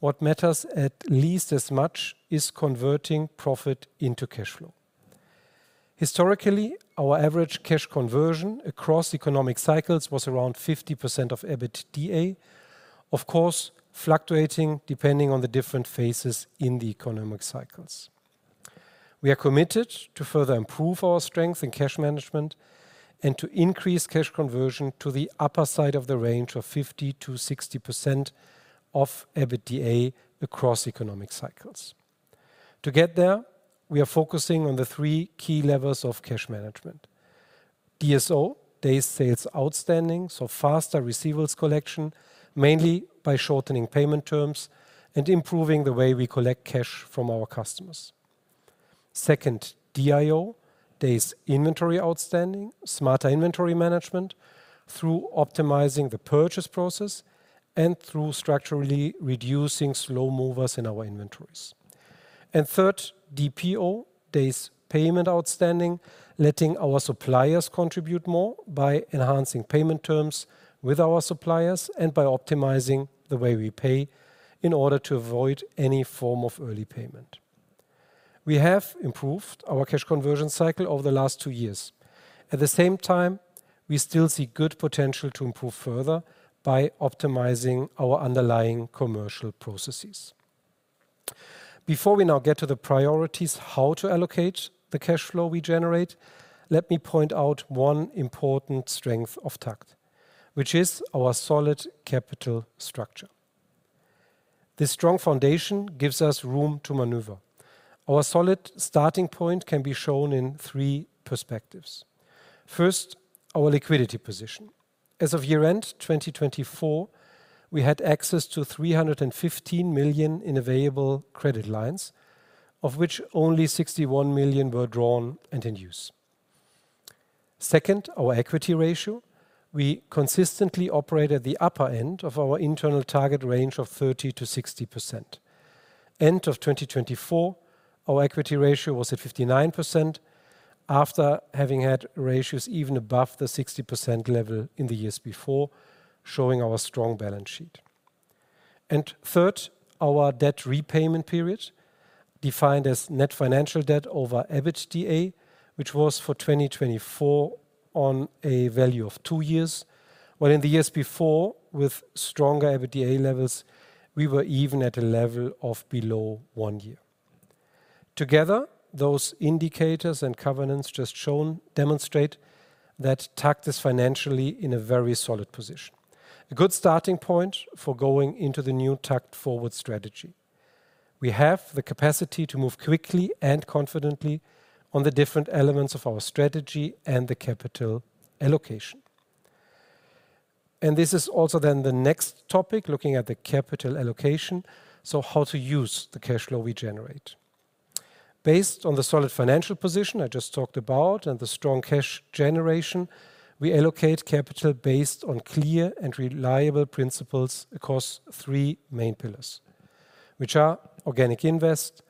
what matters at least as much is converting profit into cash flow. Historically, our average cash conversion across economic cycles was around 50% of EBITDA, of course fluctuating depending on the different phases in the economic cycles. We are committed to further improve our strength in cash management and to increase cash conversion to the upper side of the range of 50%-60% of EBITDA across economic cycles. To get there, we are focusing on the three key levels of cash management: DSO, Days Sales Outstanding, so faster receivables collection, mainly by shortening payment terms and improving the way we collect cash from our customers. Second, DIO, Days Inventory Outstanding, smarter inventory management through optimizing the purchase process and through structurally reducing slow movers in our inventories. Third, DPO, Days Payable Outstanding, letting our suppliers contribute more by enhancing payment terms with our suppliers and by optimizing the way we pay in order to avoid any form of early payment. We have improved our cash conversion cycle over the last two years. At the same time, we still see good potential to improve further by optimizing our underlying commercial processes. Before we now get to the priorities how to allocate the cash flow we generate, let me point out one important strength of TAKKT, which is our solid capital structure. This strong foundation gives us room to maneuver. Our solid starting point can be shown in three perspectives. First, our liquidity position. As of year-end 2024, we had access to 315 million in available credit lines, of which only 61 million were drawn and in use. Second, our equity ratio. We consistently operate at the upper end of our internal target range of 30%-60%. End of 2024, our equity ratio was at 59% after having had ratios even above the 60% level in the years before, showing our strong balance sheet. Third, our debt repayment period, defined as net financial debt over EBITDA, which was for 2024 on a value of two years, while in the years before with stronger EBITDA levels, we were even at a level of below one year. Together, those indicators and covenants just shown demonstrate that TAKKT is financially in a very solid position. A good starting point for going into the new TAKKT Forward strategy. We have the capacity to move quickly and confidently on the different elements of our strategy and the capital allocation. This is also then the next topic, looking at the capital allocation, so how to use the cash flow we generate. Based on the solid financial position I just talked about and the strong cash generation, we allocate capital based on clear and reliable principles across three main pillars, which are organic invest,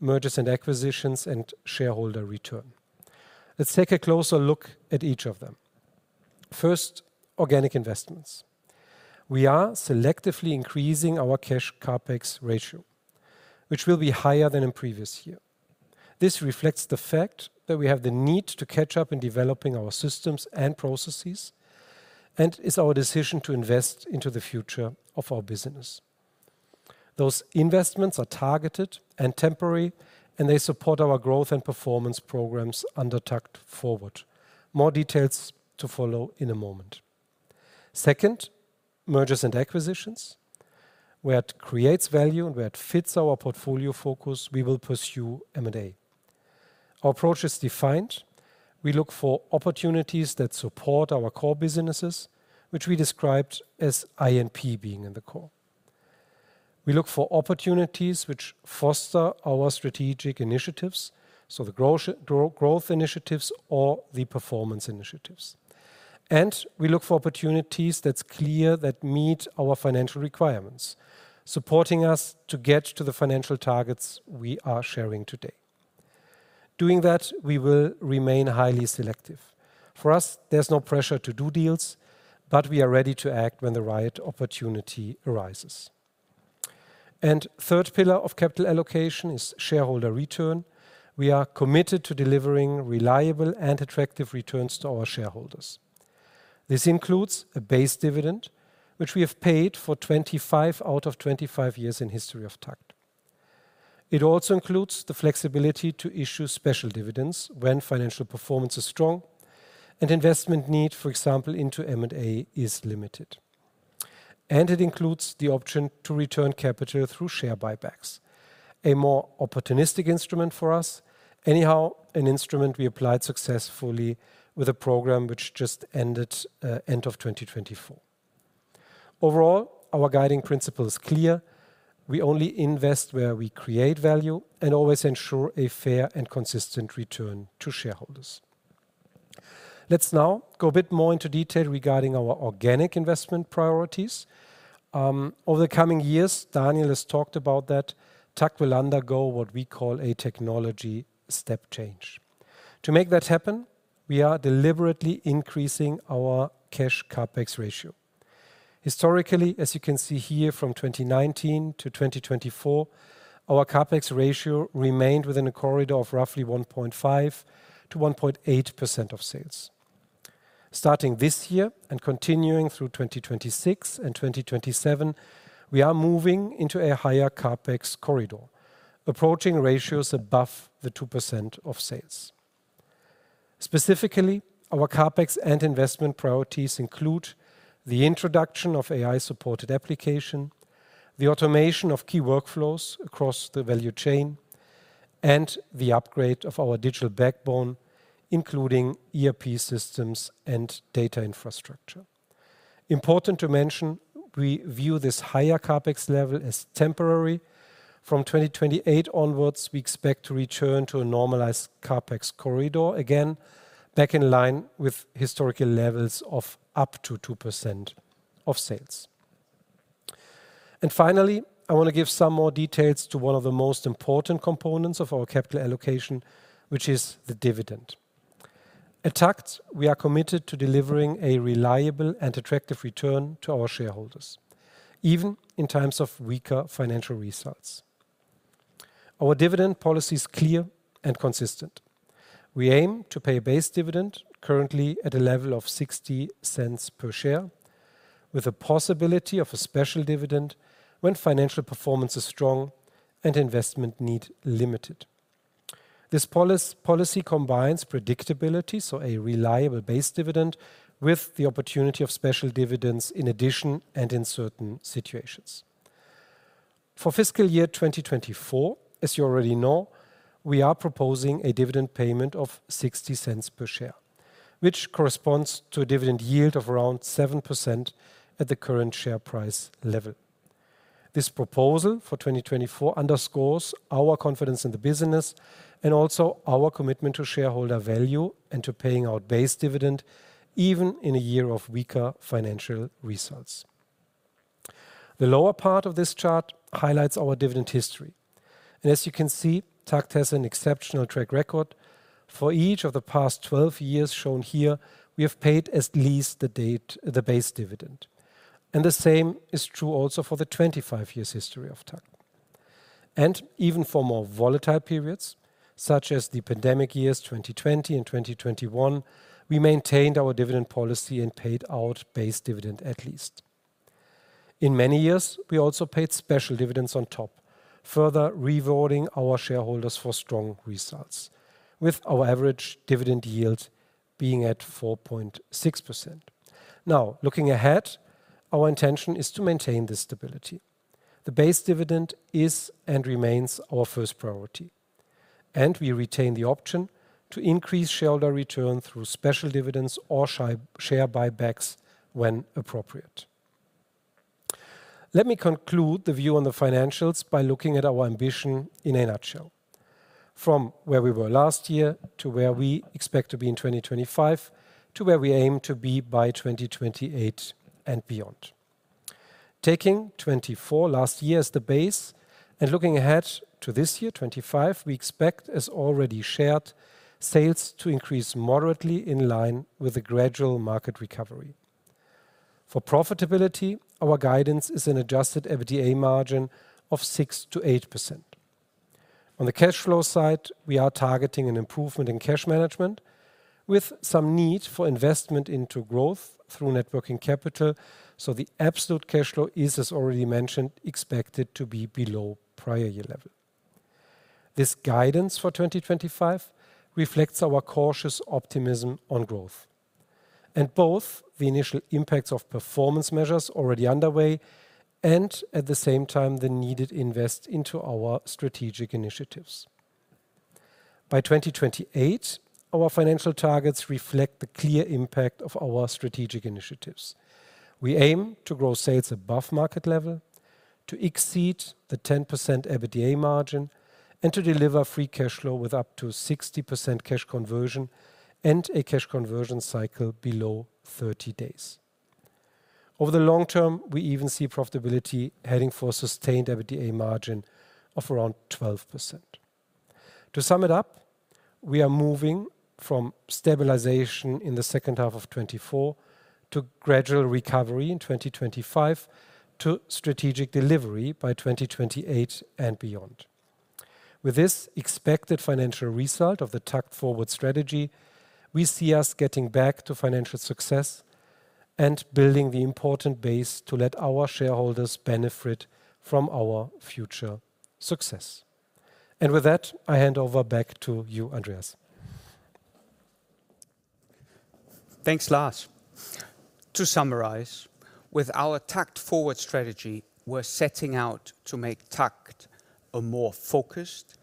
mergers and acquisitions, and shareholder return. Let's take a closer look at each of them. First, organic investments. We are selectively increasing our cash-CapEx ratio, which will be higher than in previous year. This reflects the fact that we have the need to catch up in developing our systems and processes and is our decision to invest into the future of our business. Those investments are targeted and temporary, and they support our growth and performance programs under TAKKT Forward. More details to follow in a moment. Second, mergers and acquisitions. Where it creates value and where it fits our portfolio focus, we will pursue M&A. Our approach is defined. We look for opportunities that support our core businesses, which we described as I&P being in the core. We look for opportunities which foster our strategic initiatives, the growth initiatives or the performance initiatives. We look for opportunities that are clear that meet our financial requirements, supporting us to get to the financial targets we are sharing today. Doing that, we will remain highly selective. For us, there is no pressure to do deals, but we are ready to act when the right opportunity arises. The third pillar of capital allocation is shareholder return. We are committed to delivering reliable and attractive returns to our shareholders. This includes a base dividend, which we have paid for 25 out of 25 years in the history of TAKKT. It also includes the flexibility to issue special dividends when financial performance is strong and investment need, for example, into M&A is limited. It includes the option to return capital through share buybacks, a more opportunistic instrument for us, anyhow, an instrument we applied successfully with a program which just ended end of 2024. Overall, our guiding principle is clear. We only invest where we create value and always ensure a fair and consistent return to shareholders. Let's now go a bit more into detail regarding our organic investment priorities. Over the coming years, Daniel has talked about that. TAKKT will undergo what we call a technology step change. To make that happen, we are deliberately increasing our cash-CapEx ratio. Historically, as you can see here, from 2019 to 2024, our CapEx ratio remained within a corridor of roughly 1.5%-1.8% of sales. Starting this year and continuing through 2026 and 2027, we are moving into a higher CapEx corridor, approaching ratios above the 2% of sales. Specifically, our CapEx and investment priorities include the introduction of AI-supported application, the automation of key workflows across the value chain, and the upgrade of our digital backbone, including ERP systems and data infrastructure. Important to mention, we view this higher CapEx level as temporary. From 2028 onwards, we expect to return to a normalized CapEx corridor, again back in line with historical levels of up to 2% of sales. Finally, I want to give some more details to one of the most important components of our capital allocation, which is the dividend. At TAKKT, we are committed to delivering a reliable and attractive return to our shareholders, even in times of weaker financial results. Our dividend policy is clear and consistent. We aim to pay a base dividend currently at a level of 0.60 per share, with a possibility of a special dividend when financial performance is strong and investment need limited. This policy combines predictability, so a reliable base dividend, with the opportunity of special dividends in addition and in certain situations. For fiscal year 2024, as you already know, we are proposing a dividend payment of 0.60 per share, which corresponds to a dividend yield of around 7% at the current share price level. This proposal for 2024 underscores our confidence in the business and also our commitment to shareholder value and to paying out base dividend, even in a year of weaker financial results. The lower part of this chart highlights our dividend history. As you can see, TAKKT has an exceptional track record. For each of the past 12 years shown here, we have paid at least to date the base dividend. The same is true also for the 25 years history of TAKKT. Even for more volatile periods, such as the pandemic years 2020 and 2021, we maintained our dividend policy and paid out base dividend at least. In many years, we also paid special dividends on top, further rewarding our shareholders for strong results, with our average dividend yield being at 4.6%. Now, looking ahead, our intention is to maintain this stability. The base dividend is and remains our first priority. We retain the option to increase shareholder return through special dividends or share buybacks when appropriate. Let me conclude the view on the financials by looking at our ambition in a nutshell. From where we were last year to where we expect to be in 2025, to where we aim to be by 2028 and beyond. Taking 2024 last year as the base and looking ahead to this year 2025, we expect, as already shared, sales to increase moderately in line with the gradual market recovery. For profitability, our guidance is an adjusted EBITDA margin of 6%-8%. On the cash flow side, we are targeting an improvement in cash management with some need for investment into growth through networking capital. The absolute cash flow is, as already mentioned, expected to be below prior year level. This guidance for 2025 reflects our cautious optimism on growth and both the initial impacts of performance measures already underway and at the same time the needed invest into our strategic initiatives. By 2028, our financial targets reflect the clear impact of our strategic initiatives. We aim to grow sales above market level, to exceed the 10% EBITDA margin, and to deliver free cash flow with up to 60% cash conversion and a cash conversion cycle below 30 days. Over the long term, we even see profitability heading for a sustained EBITDA margin of around 12%. To sum it up, we are moving from stabilization in the second half of 2024 to gradual recovery in 2025 to strategic delivery by 2028 and beyond. With this expected financial result of the TAKKT Forward strategy, we see us getting back to financial success and building the important base to let our shareholders benefit from our future success. With that, I hand over back to you, Andreas. Thanks, Lars. To summarize, with our TAKKT Forward strategy, we're setting out to make TAKKT a more focused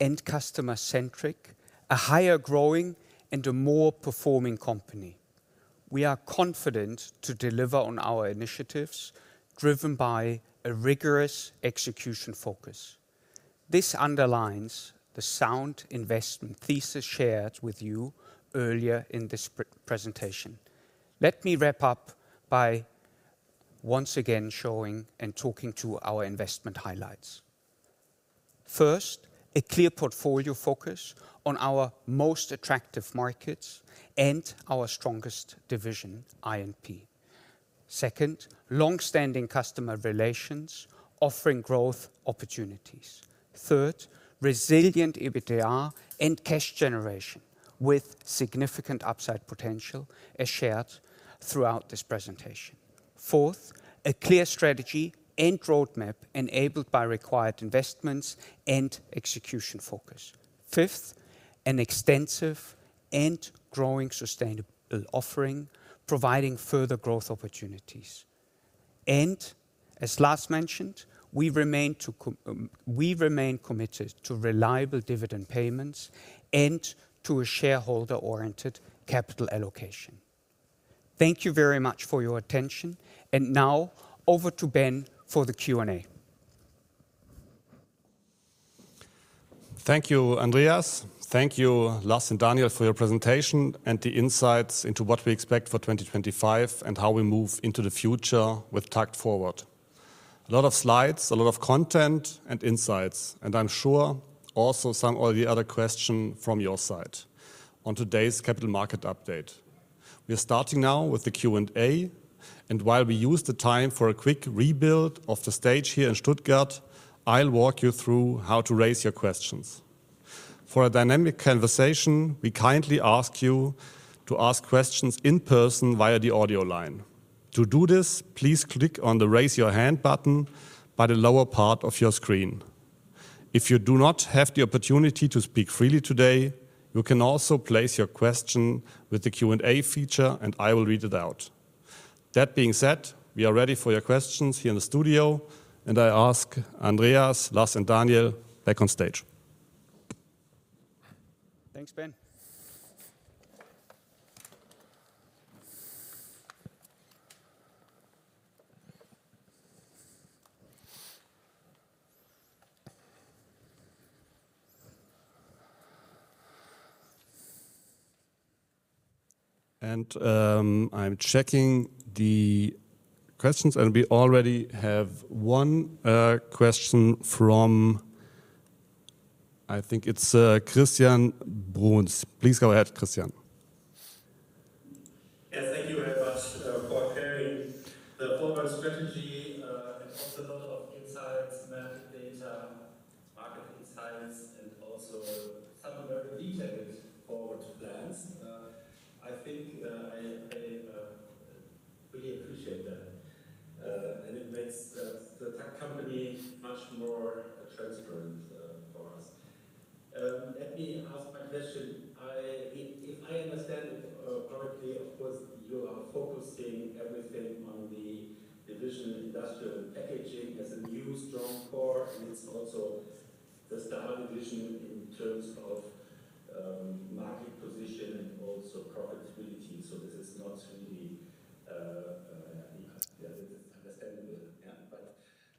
and customer-centric, a higher growing and a more performing company. We are confident to deliver on our initiatives driven by a rigorous execution focus. This underlines the sound investment thesis shared with you earlier in this presentation. Let me wrap up by once again showing and talking to our investment highlights. First, a clear portfolio focus on our most attractive markets and our strongest division, I&P. Second, long-standing customer relations offering growth opportunities. Third, resilient EBITDA and cash generation with significant upside potential as shared throughout this presentation. Fourth, a clear strategy and roadmap enabled by required investments and execution focus. Fifth, an extensive and growing sustainable offering providing further growth opportunities. As Lars mentioned, we remain committed to reliable dividend payments and to a shareholder-oriented capital allocation. Thank you very much for your attention. Now over to Ben for the Q&A. Thank you, Andreas. Thank you, Lars and Daniel, for your presentation and the insights into what we expect for 2025 and how we move into the future with TAKKT Forward. A lot of slides, a lot of content and insights, and I am sure also some early other questions from your side on today's capital market update. We are starting now with the Q&A, and while we use the time for a quick rebuild of the stage here in Stuttgart, I will walk you through how to raise your questions. For a dynamic conversation, we kindly ask you to ask questions in person via the audio line. To do this, please click on the raise your hand button by the lower part of your screen. If you do not have the opportunity to speak freely today, you can also place your question with the Q&A feature, and I will read it out. That being said, we are ready for your questions here in the studio, and I ask Andreas, Lars, and Daniel back on stage. Thanks, Ben. I am checking the questions, and we already have one question from, I think it is Christian Bruhns. Please go ahead, Christian. Yes, thank you very much for sharing the forward strategy. It has a lot of insights, math data, market insights, and also some very detailed forward plans. I think I really appreciate that, and it makes the TAKKT company much more transparent for us. Let me ask my question. If I understand correctly, of course, you are focusing everything on the division, Industrial Packaging as a new strong core, and it's also the star division in terms of market position and also profitability. This is not really understandable.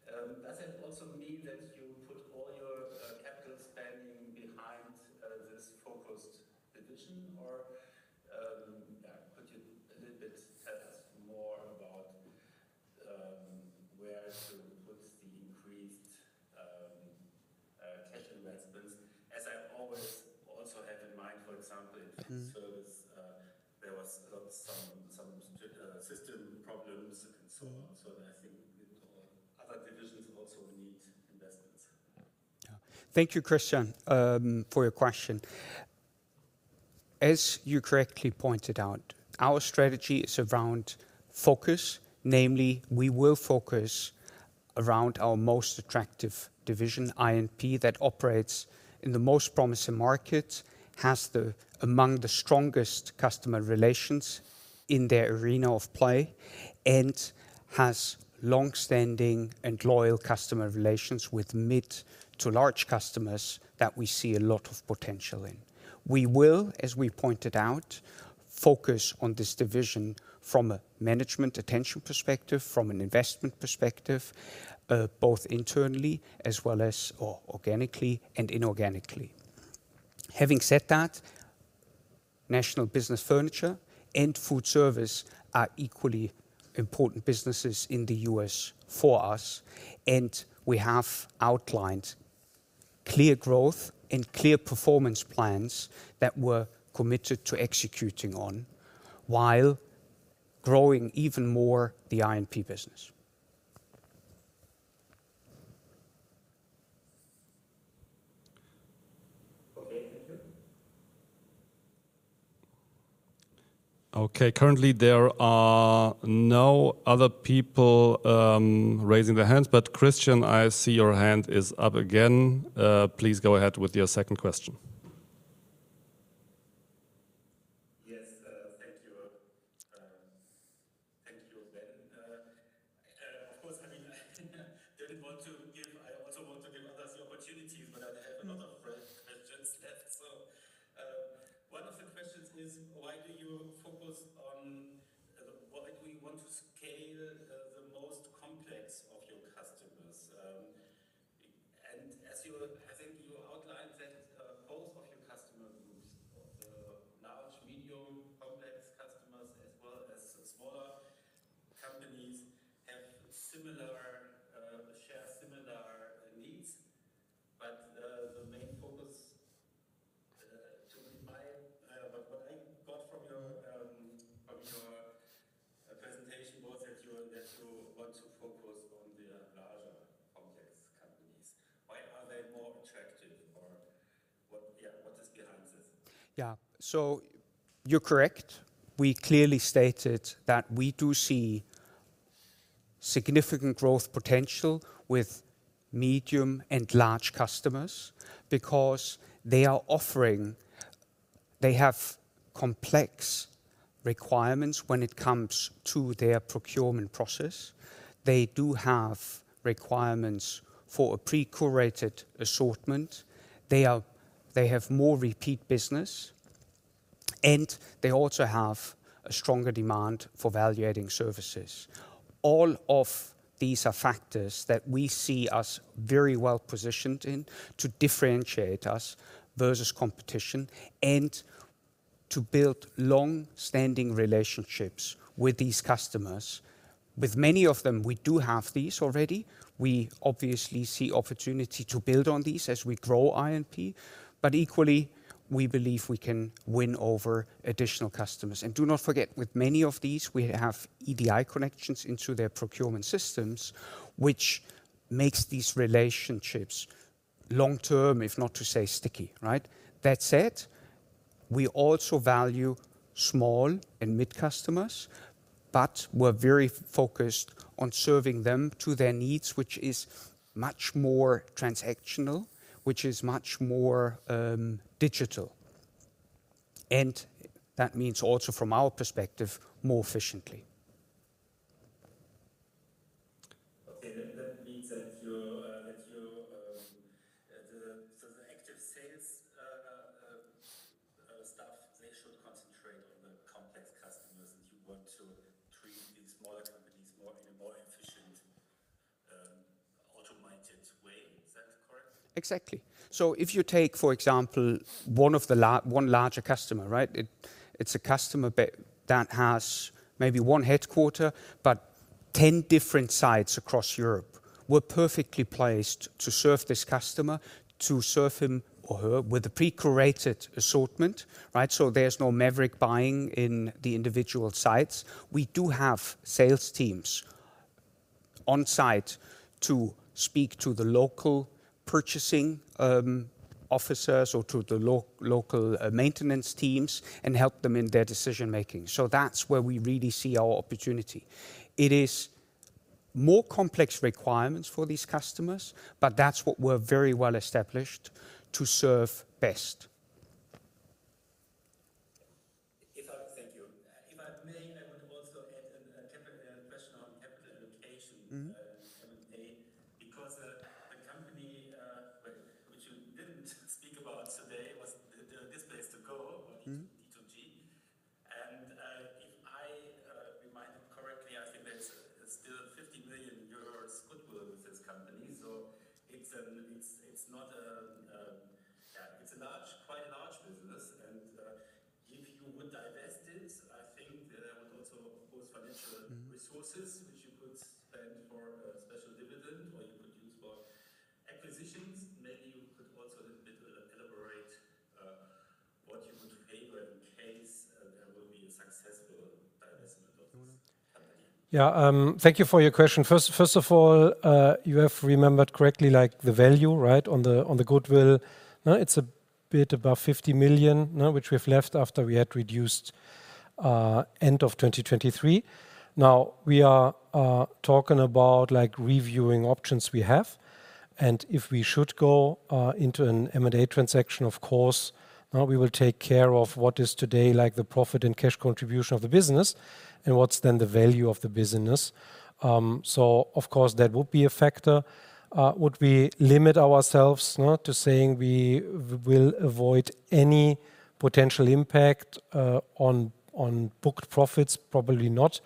Does it also mean that you put all your capital spending behind this focused division, or could you a little bit tell us more about where to put the increased cash investments? As I always also have in mind, for example, in service, there were some system problems and so on. I think other divisions also need investments. Yeah, thank you, Christian, for your question. As you correctly pointed out, our strategy is around focus. Namely, we will focus around our most attractive division, I&P, that operates in the most promising markets, has among the strongest customer relations in their arena of play, and has long-standing and loyal customer relations with mid to large customers that we see a lot of potential in. We will, as we pointed out, focus on this division from a management attention perspective, from an investment perspective, both internally as well as organically and inorganically. Having said that, National Business Furniture and Food Service are equally important businesses in the U.S. for us, and we have outlined clear growth and clear performance plans that we're committed to executing on while growing even more the I&P business. Okay, thank you. Okay, currently there are no other people raising their hands, but Christian, I see your hand is up again. Please go ahead with your second question. Yes, thank you. Thank you, Ben. Of course, I mean, I do not want to give I also want to give others the opportunity, but I have a lot of questions left. One of the questions is, why do you focus on why do we want to scale the most complex of your customers? I think you outlined that both of your customer groups, the large, medium, complex customers, as well as smaller companies, share similar needs. The main focus, to me, what I got from your presentation was that you want to focus on the larger complex companies. Why are they more attractive? What is behind this? You are correct. We clearly stated that we do see significant growth potential with medium and large customers because they are offering they have complex requirements when it comes to their procurement process. They do have requirements for a pre-curated assortment. They have more repeat business, and they also have a stronger demand for valuating services. All of these are factors that we see us very well positioned in to differentiate us versus competition and to build long-standing relationships with these customers. With many of them, we do have these already. We obviously see opportunity to build on these as we grow I&P. Equally, we believe we can win over additional customers. Do not forget, with many of these, we have EDI connections into their procurement systems, which makes these relationships long-term, if not to say sticky, right? That said, we also value small and mid customers, but we're very focused on serving them to their needs, which is much more transactional, which is much more digital. That means also, from our perspective, more efficiently. Okay, that means that the active sales staff, they should concentrate on the complex customers, and you want to treat these smaller companies in a more efficient, automated way. Is that correct? Exactly. If you take, for example, one larger customer, right? It's a customer that has maybe one headquarter, but 10 different sites across Europe. We're perfectly placed to serve this customer, to serve him or her with a pre-curated assortment, right? There's no Maverick buying in the individual sites. We do have sales teams on site to speak to the local purchasing officers or to the local maintenance teams and help them in their decision-making. That's where we really see our opportunity. It is more complex requirements for these customers, but that's what we're very well established to serve best. If I thank you. If I may, I would also add a question on capital allocation because the company which you did not speak about today was the Displays to Go or D2G. And if I remembered correctly, I think there is still EUR 50 million goodwill with this company. So it is not a, yeah, it is quite a large business. If you would divest it, I think there would also, of course, be financial resources which you could spend for a special dividend or you could use for acquisitions. Maybe you could also a little bit elaborate what you would favor in case there will be a successful divestment of this company. Yeah, thank you for your question. First of all, you have remembered correctly the value, right, on the goodwill. It is a bit above EUR 50 million, which we have left after we had reduced end of 2023. Now, we are talking about reviewing options we have. If we should go into an M&A transaction, of course, we will take care of what is today the profit and cash contribution of the business and what is then the value of the business. That would be a factor. Would we limit ourselves to saying we will avoid any potential impact on booked profits? Probably not.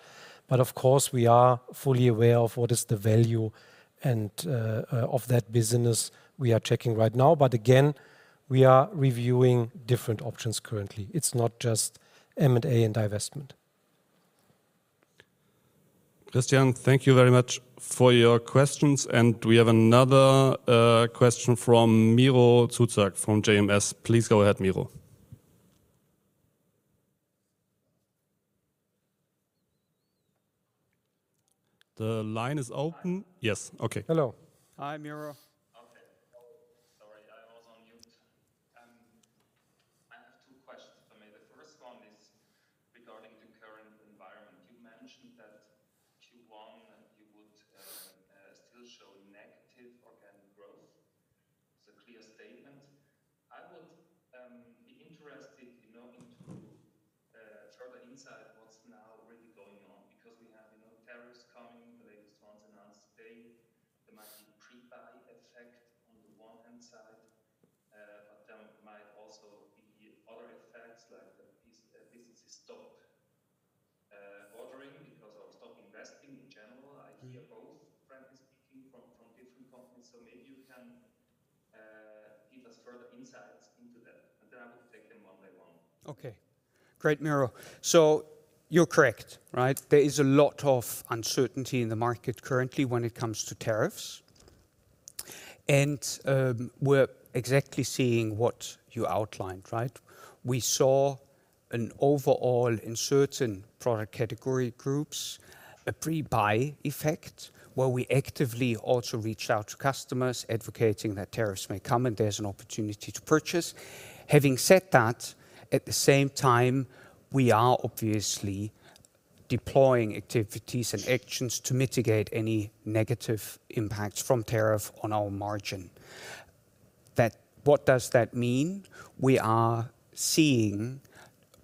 We are fully aware of what is the value of that business we are checking right now. Again, we are reviewing different options currently. It is not just M&A and divestment. Christian, thank you very much for your questions. We have another question from Miro Zuzak from JMS. Please go ahead, Miro. The line is open. Yes. Okay. Hello. Hi, Miro. Okay. Sorry, I was on mute. I have two questions, if I may. The first one is regarding the current environment. You mentioned that Q1 you would still show negative organic growth. It is a clear statement. I would be interested in knowing further insight on what is now really going on because we have tariffs coming. The latest ones announced today. There might be a pre-buy effect on the one-hand side, but there might also be other effects like the businesses stop ordering because of stop investing in general. I hear both, frankly speaking, from different companies. Maybe you can give us further insights into that. I will take them one by one. Okay. Great, Miro. You are correct, right? There is a lot of uncertainty in the market currently when it comes to tariffs. We are exactly seeing what you outlined, right? We saw an overall, in certain product category groups, a pre-buy effect where we actively also reach out to customers advocating that tariffs may come and there's an opportunity to purchase. Having said that, at the same time, we are obviously deploying activities and actions to mitigate any negative impacts from tariff on our margin. What does that mean? We are seeing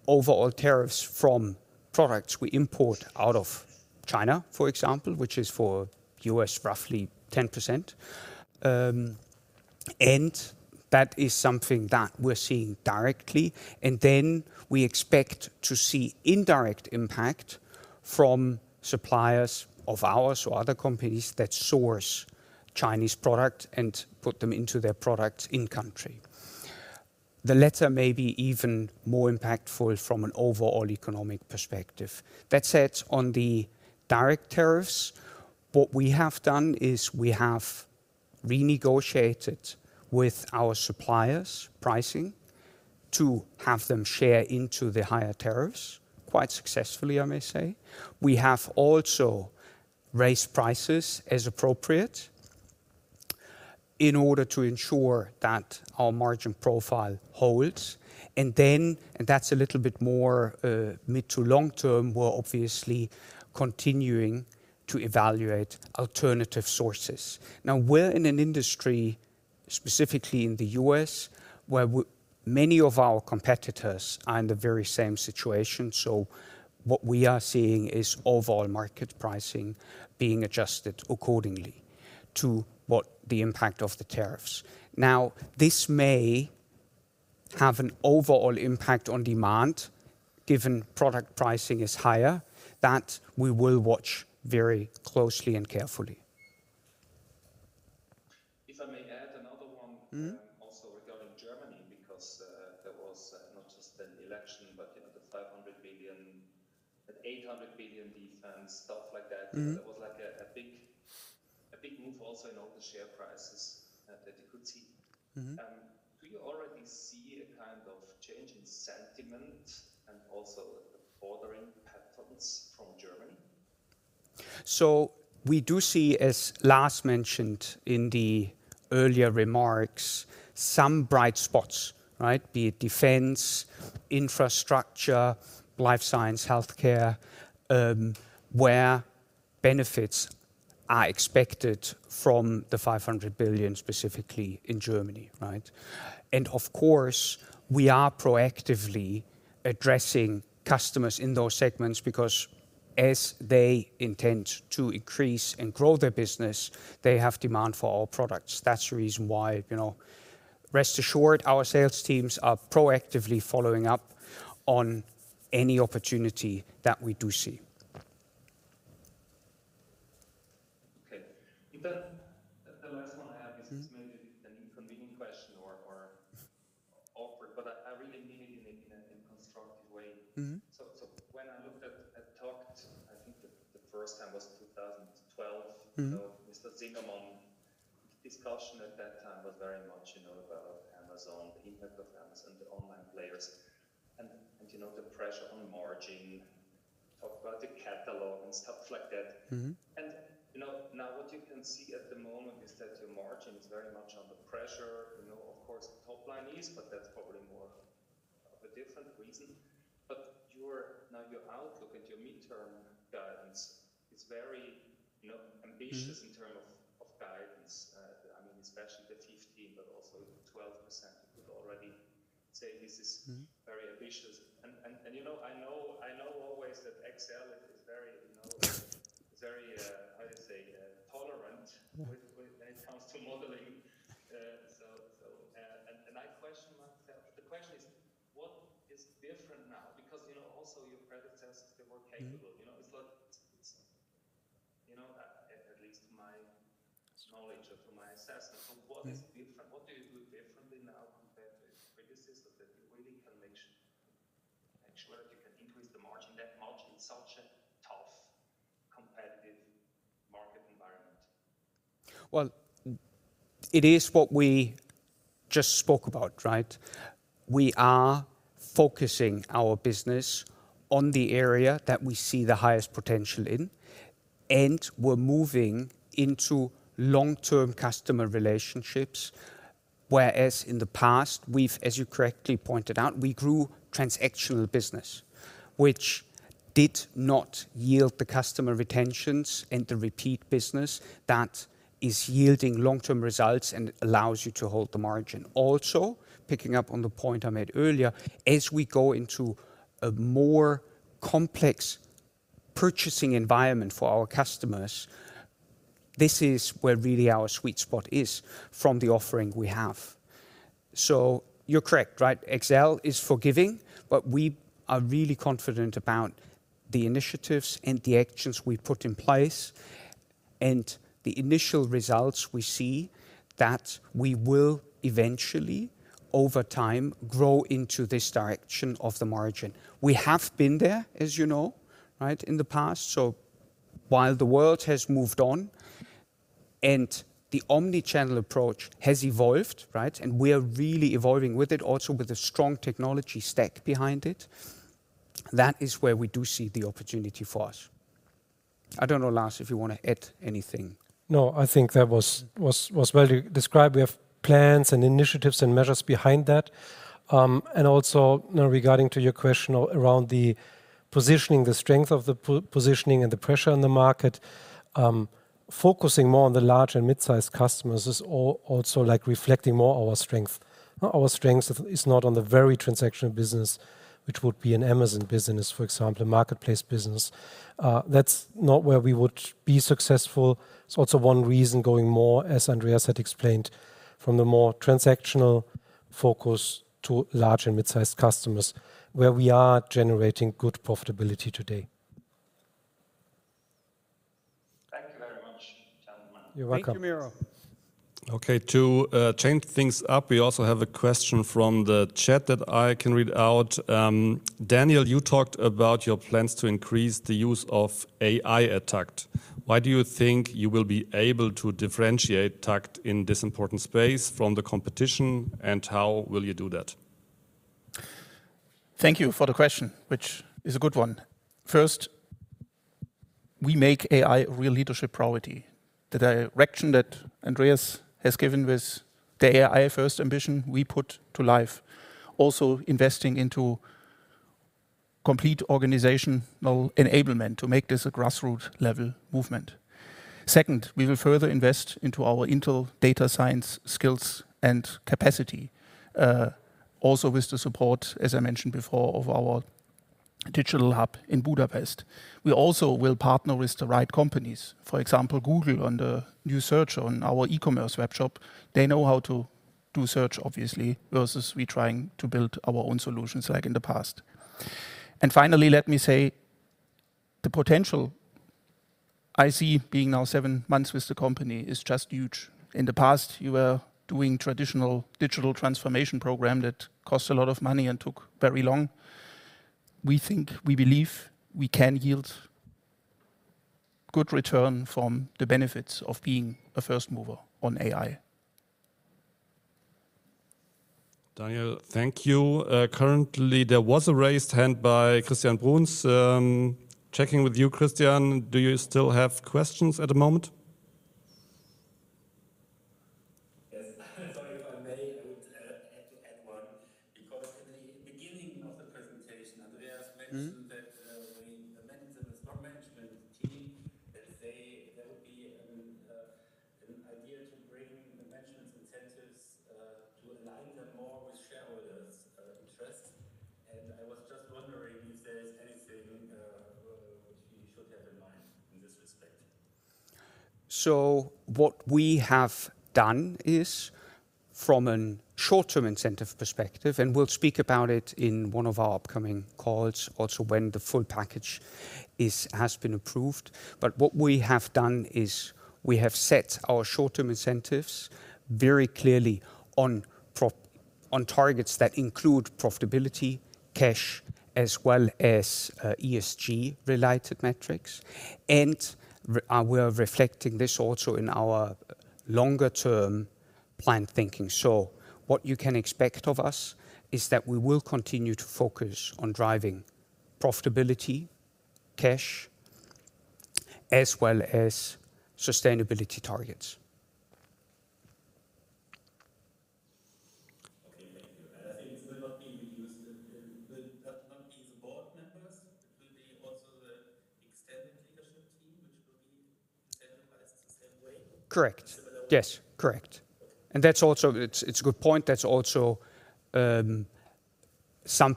overall tariffs from products we import out of China, for example, which is for the U.S. roughly 10%. That is something that we're seeing directly. We expect to see indirect impact from suppliers of ours or other companies that source Chinese product and put them into their products in-country. The latter may be even more impactful from an overall economic perspective. That said, on the direct tariffs, what we have done is we have renegotiated with our suppliers' pricing to have them share into the higher tariffs quite successfully, I may say. We have also raised prices as appropriate in order to ensure that our margin profile holds. That is a little bit more mid to long-term, we are obviously continuing to evaluate alternative sources. We are in an industry, specifically in the U.S., where many of our competitors are in the very same situation. What we are seeing is overall market pricing being adjusted accordingly to the impact of the tariffs. This may have an overall impact on demand given product pricing is higher that we will watch very closely and carefully. If I may add another one also regarding Germany because there was not just an election, but the EUR 500 billion, the EUR 800 billion defense, stuff like that. There was like a big move also in all the share prices that you could see. Do you already see a kind of change in sentiment and also bordering patterns from Germany? We do see, as Lars mentioned in the earlier remarks, some bright spots, right? Be it defense, infrastructure, life science, healthcare, where benefits are expected from the 500 billion specifically in Germany, right? Of course, we are proactively addressing customers in those segments because as they intend to increase and grow their business, they have demand for our products. That is the reason why, rest assured, our sales teams are proactively following up on any opportunity that we do see. Okay. The last one I have is maybe an inconvenient question or awkward, but I really mean it in a constructive way. When I looked at TAKKT, I think the first time was 2012, Mr. Zimmermann, the discussion at that time was very much about Amazon, the impact of Amazon, the online players, and the pressure on margin, talk about the catalog and stuff like that. What you can see at the moment is that your margin is very much under pressure. Of course, the top line is, but that's probably more of a different reason. Your outlook and your midterm guidance is very ambitious in terms of guidance. I mean, especially the 15%, but also 12%, you could already say this is very ambitious. I know always that Excel is very, how do you say, tolerant when it comes to modeling. I question myself. The question is, what is different now? Because also your predecessors, they were capable. It's like, at least to my knowledge or to my assessment, what is different? What do you do differently now compared to its predecessors that you really can make sure that you can increase the margin? That margin is such a tough competitive market environment. It is what we just spoke about, right? We are focusing our business on the area that we see the highest potential in, and we're moving into long-term customer relationships, whereas in the past, as you correctly pointed out, we grew transactional business, which did not yield the customer retentions and the repeat business that is yielding long-term results and allows you to hold the margin. Also, picking up on the point I made earlier, as we go into a more complex purchasing environment for our customers, this is where really our sweet spot is from the offering we have. You are correct, right? Excel is forgiving, but we are really confident about the initiatives and the actions we put in place and the initial results we see that we will eventually, over time, grow into this direction of the margin. We have been there, as you know, right, in the past. While the world has moved on and the omnichannel approach has evolved, right, and we are really evolving with it, also with a strong technology stack behind it, that is where we do see the opportunity for us. I do not know, Lars, if you want to add anything. No, I think that was well described. We have plans and initiatives and measures behind that. Also, regarding your question around the positioning, the strength of the positioning and the pressure in the market, focusing more on the large and mid-sized customers is also reflecting more our strength. Our strength is not on the very transactional business, which would be an Amazon business, for example, a marketplace business. That's not where we would be successful. It's also one reason going more, as Andreas had explained, from the more transactional focus to large and mid-sized customers, where we are generating good profitability today. Thank you very much, gentlemen. You're welcome. Thank you, Miro. Okay, to change things up, we also have a question from the chat that I can read out. Daniel, you talked about your plans to increase the use of AI at TAKKT. Why do you think you will be able to differentiate TAKKT in this important space from the competition, and how will you do that? Thank you for the question, which is a good one. First, we make AI a real leadership priority. The direction that Andreas has given with the AI-first ambition, we put to life. Also, investing into complete organizational enablement to make this a grassroots-level movement. Second, we will further invest into our internal data science skills and capacity, also with the support, as I mentioned before, of our digital hub in Budapest. We also will partner with the right companies. For example, Google and the new search on our e-commerce webshop, they know how to do search, obviously, versus we trying to build our own solutions like in the past. Finally, let me say the potential I see being now seven months with the company is just huge. In the past, you were doing a traditional digital transformation program that cost a lot of money and took very long. We think, we believe we can yield good return from the benefits of being a first mover on AI. Daniel, thank you. Currently, there was a raised hand by Christian Bruns. Checking with you, Christian, do you still have questions at the moment? Yes. Sorry, if I may, I would add one because in the beginning of the presentation, Andreas mentioned that we met with the stock management team and they said there would be an idea to bring the management's incentives to align them more with shareholders' interests. I was just wondering if there is anything which we should have in mind in this respect. What we have done is, from a short-term incentive perspective, and we'll speak about it in one of our upcoming calls also when the full package has been approved. What we have done is we have set our short-term incentives very clearly on targets that include profitability, cash, as well as ESG-related metrics. We're reflecting this also in our longer-term planned thinking. What you can expect of us is that we will continue to focus on driving profitability, cash, as well as sustainability targets. Okay, thank you. I think it will not be reduced to the board members. It will be also the extended leadership team, which will be decentralized the same way? Correct. Yes, correct. That is also, it's a good point. That's also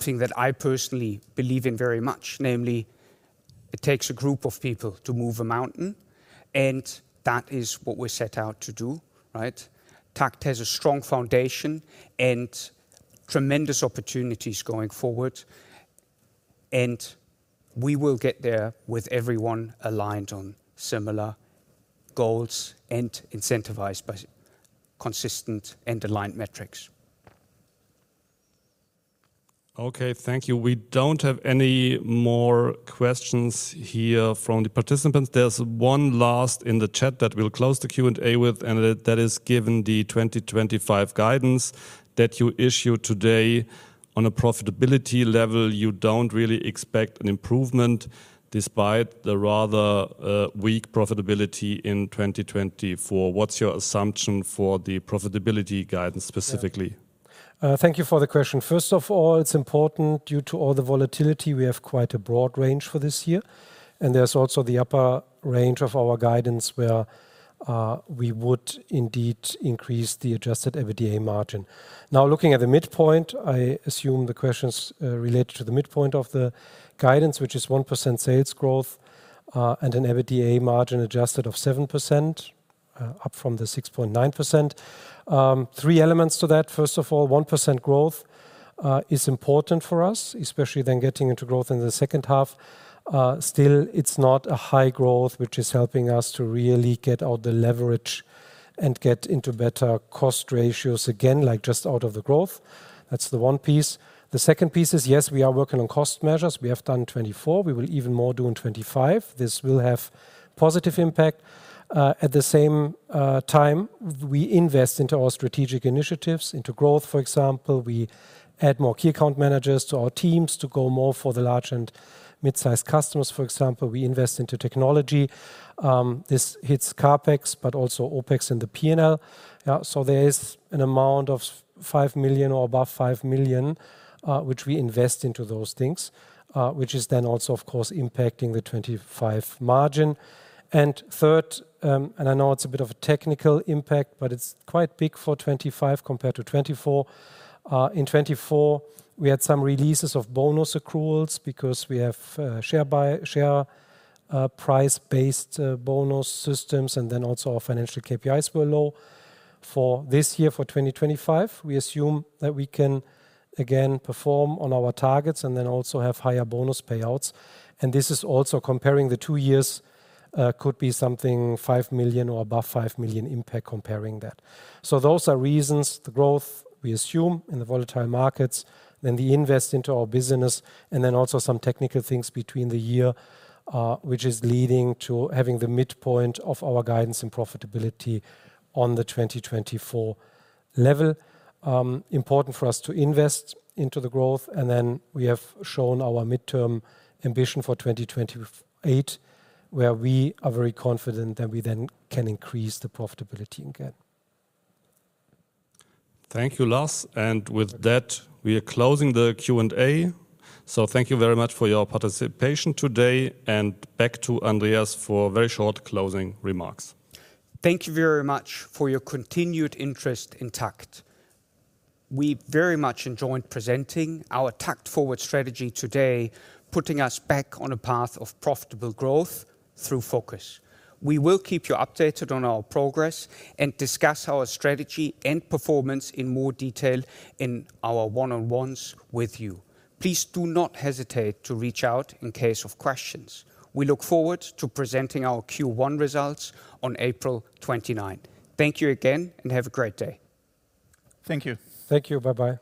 something that I personally believe in very much, namely, it takes a group of people to move a mountain, and that is what we're set out to do, right? TAKKT has a strong foundation and tremendous opportunities going forward. We will get there with everyone aligned on similar goals and incentivized by consistent and aligned metrics. Okay, thank you. We don't have any more questions here from the participants. There's one last in the chat that we'll close the Q&A with, and that is given the 2025 guidance that you issued today. On a profitability level, you don't really expect an improvement despite the rather weak profitability in 2024. What's your assumption for the profitability guidance specifically? Thank you for the question. First of all, it's important due to all the volatility we have quite a broad range for this year. There is also the upper range of our guidance where we would indeed increase the adjusted EBITDA margin. Now, looking at the midpoint, I assume the question is related to the midpoint of the guidance, which is 1% sales growth and an adjusted EBITDA margin of 7%, up from 6.9%. Three elements to that. First of all, 1% growth is important for us, especially then getting into growth in the second half. Still, it is not a high growth, which is helping us to really get out the leverage and get into better cost ratios again, like just out of the growth. That is the one piece. The second piece is, yes, we are working on cost measures. We have done 24. We will even more do in 25. This will have a positive impact. At the same time, we invest into our strategic initiatives, into growth, for example. We add more key account managers to our teams to go more for the large and mid-sized customers, for example. We invest into technology. This hits CapEx, but also OpEx in the P&L. There is an amount of 5 million or above 5 million, which we invest into those things, which is then also, of course, impacting the 2025 margin. Third, and I know it's a bit of a technical impact, but it's quite big for 2025 compared to 2024. In 2024, we had some releases of bonus accruals because we have share price-based bonus systems, and then also our financial KPIs were low. For this year, for 2025, we assume that we can again perform on our targets and then also have higher bonus payouts. This is also comparing the two years, could be something 5 million or above 5 million impact comparing that. Those are reasons, the growth we assume in the volatile markets, then the invest into our business, and then also some technical things between the year, which is leading to having the midpoint of our guidance and profitability on the 2024 level. Important for us to invest into the growth, and then we have shown our midterm ambition for 2028, where we are very confident that we then can increase the profitability again. Thank you, Lars. With that, we are closing the Q&A. Thank you very much for your participation today. Back to Andreas for very short closing remarks. Thank you very much for your continued interest in TAKKT. We very much enjoyed presenting our TAKKT Forward strategy today, putting us back on a path of profitable growth through focus. We will keep you updated on our progress and discuss our strategy and performance in more detail in our one-on-ones with you. Please do not hesitate to reach out in case of questions. We look forward to presenting our Q1 results on April 29. Thank you again and have a great day. Thank you. Thank you. Bye-bye.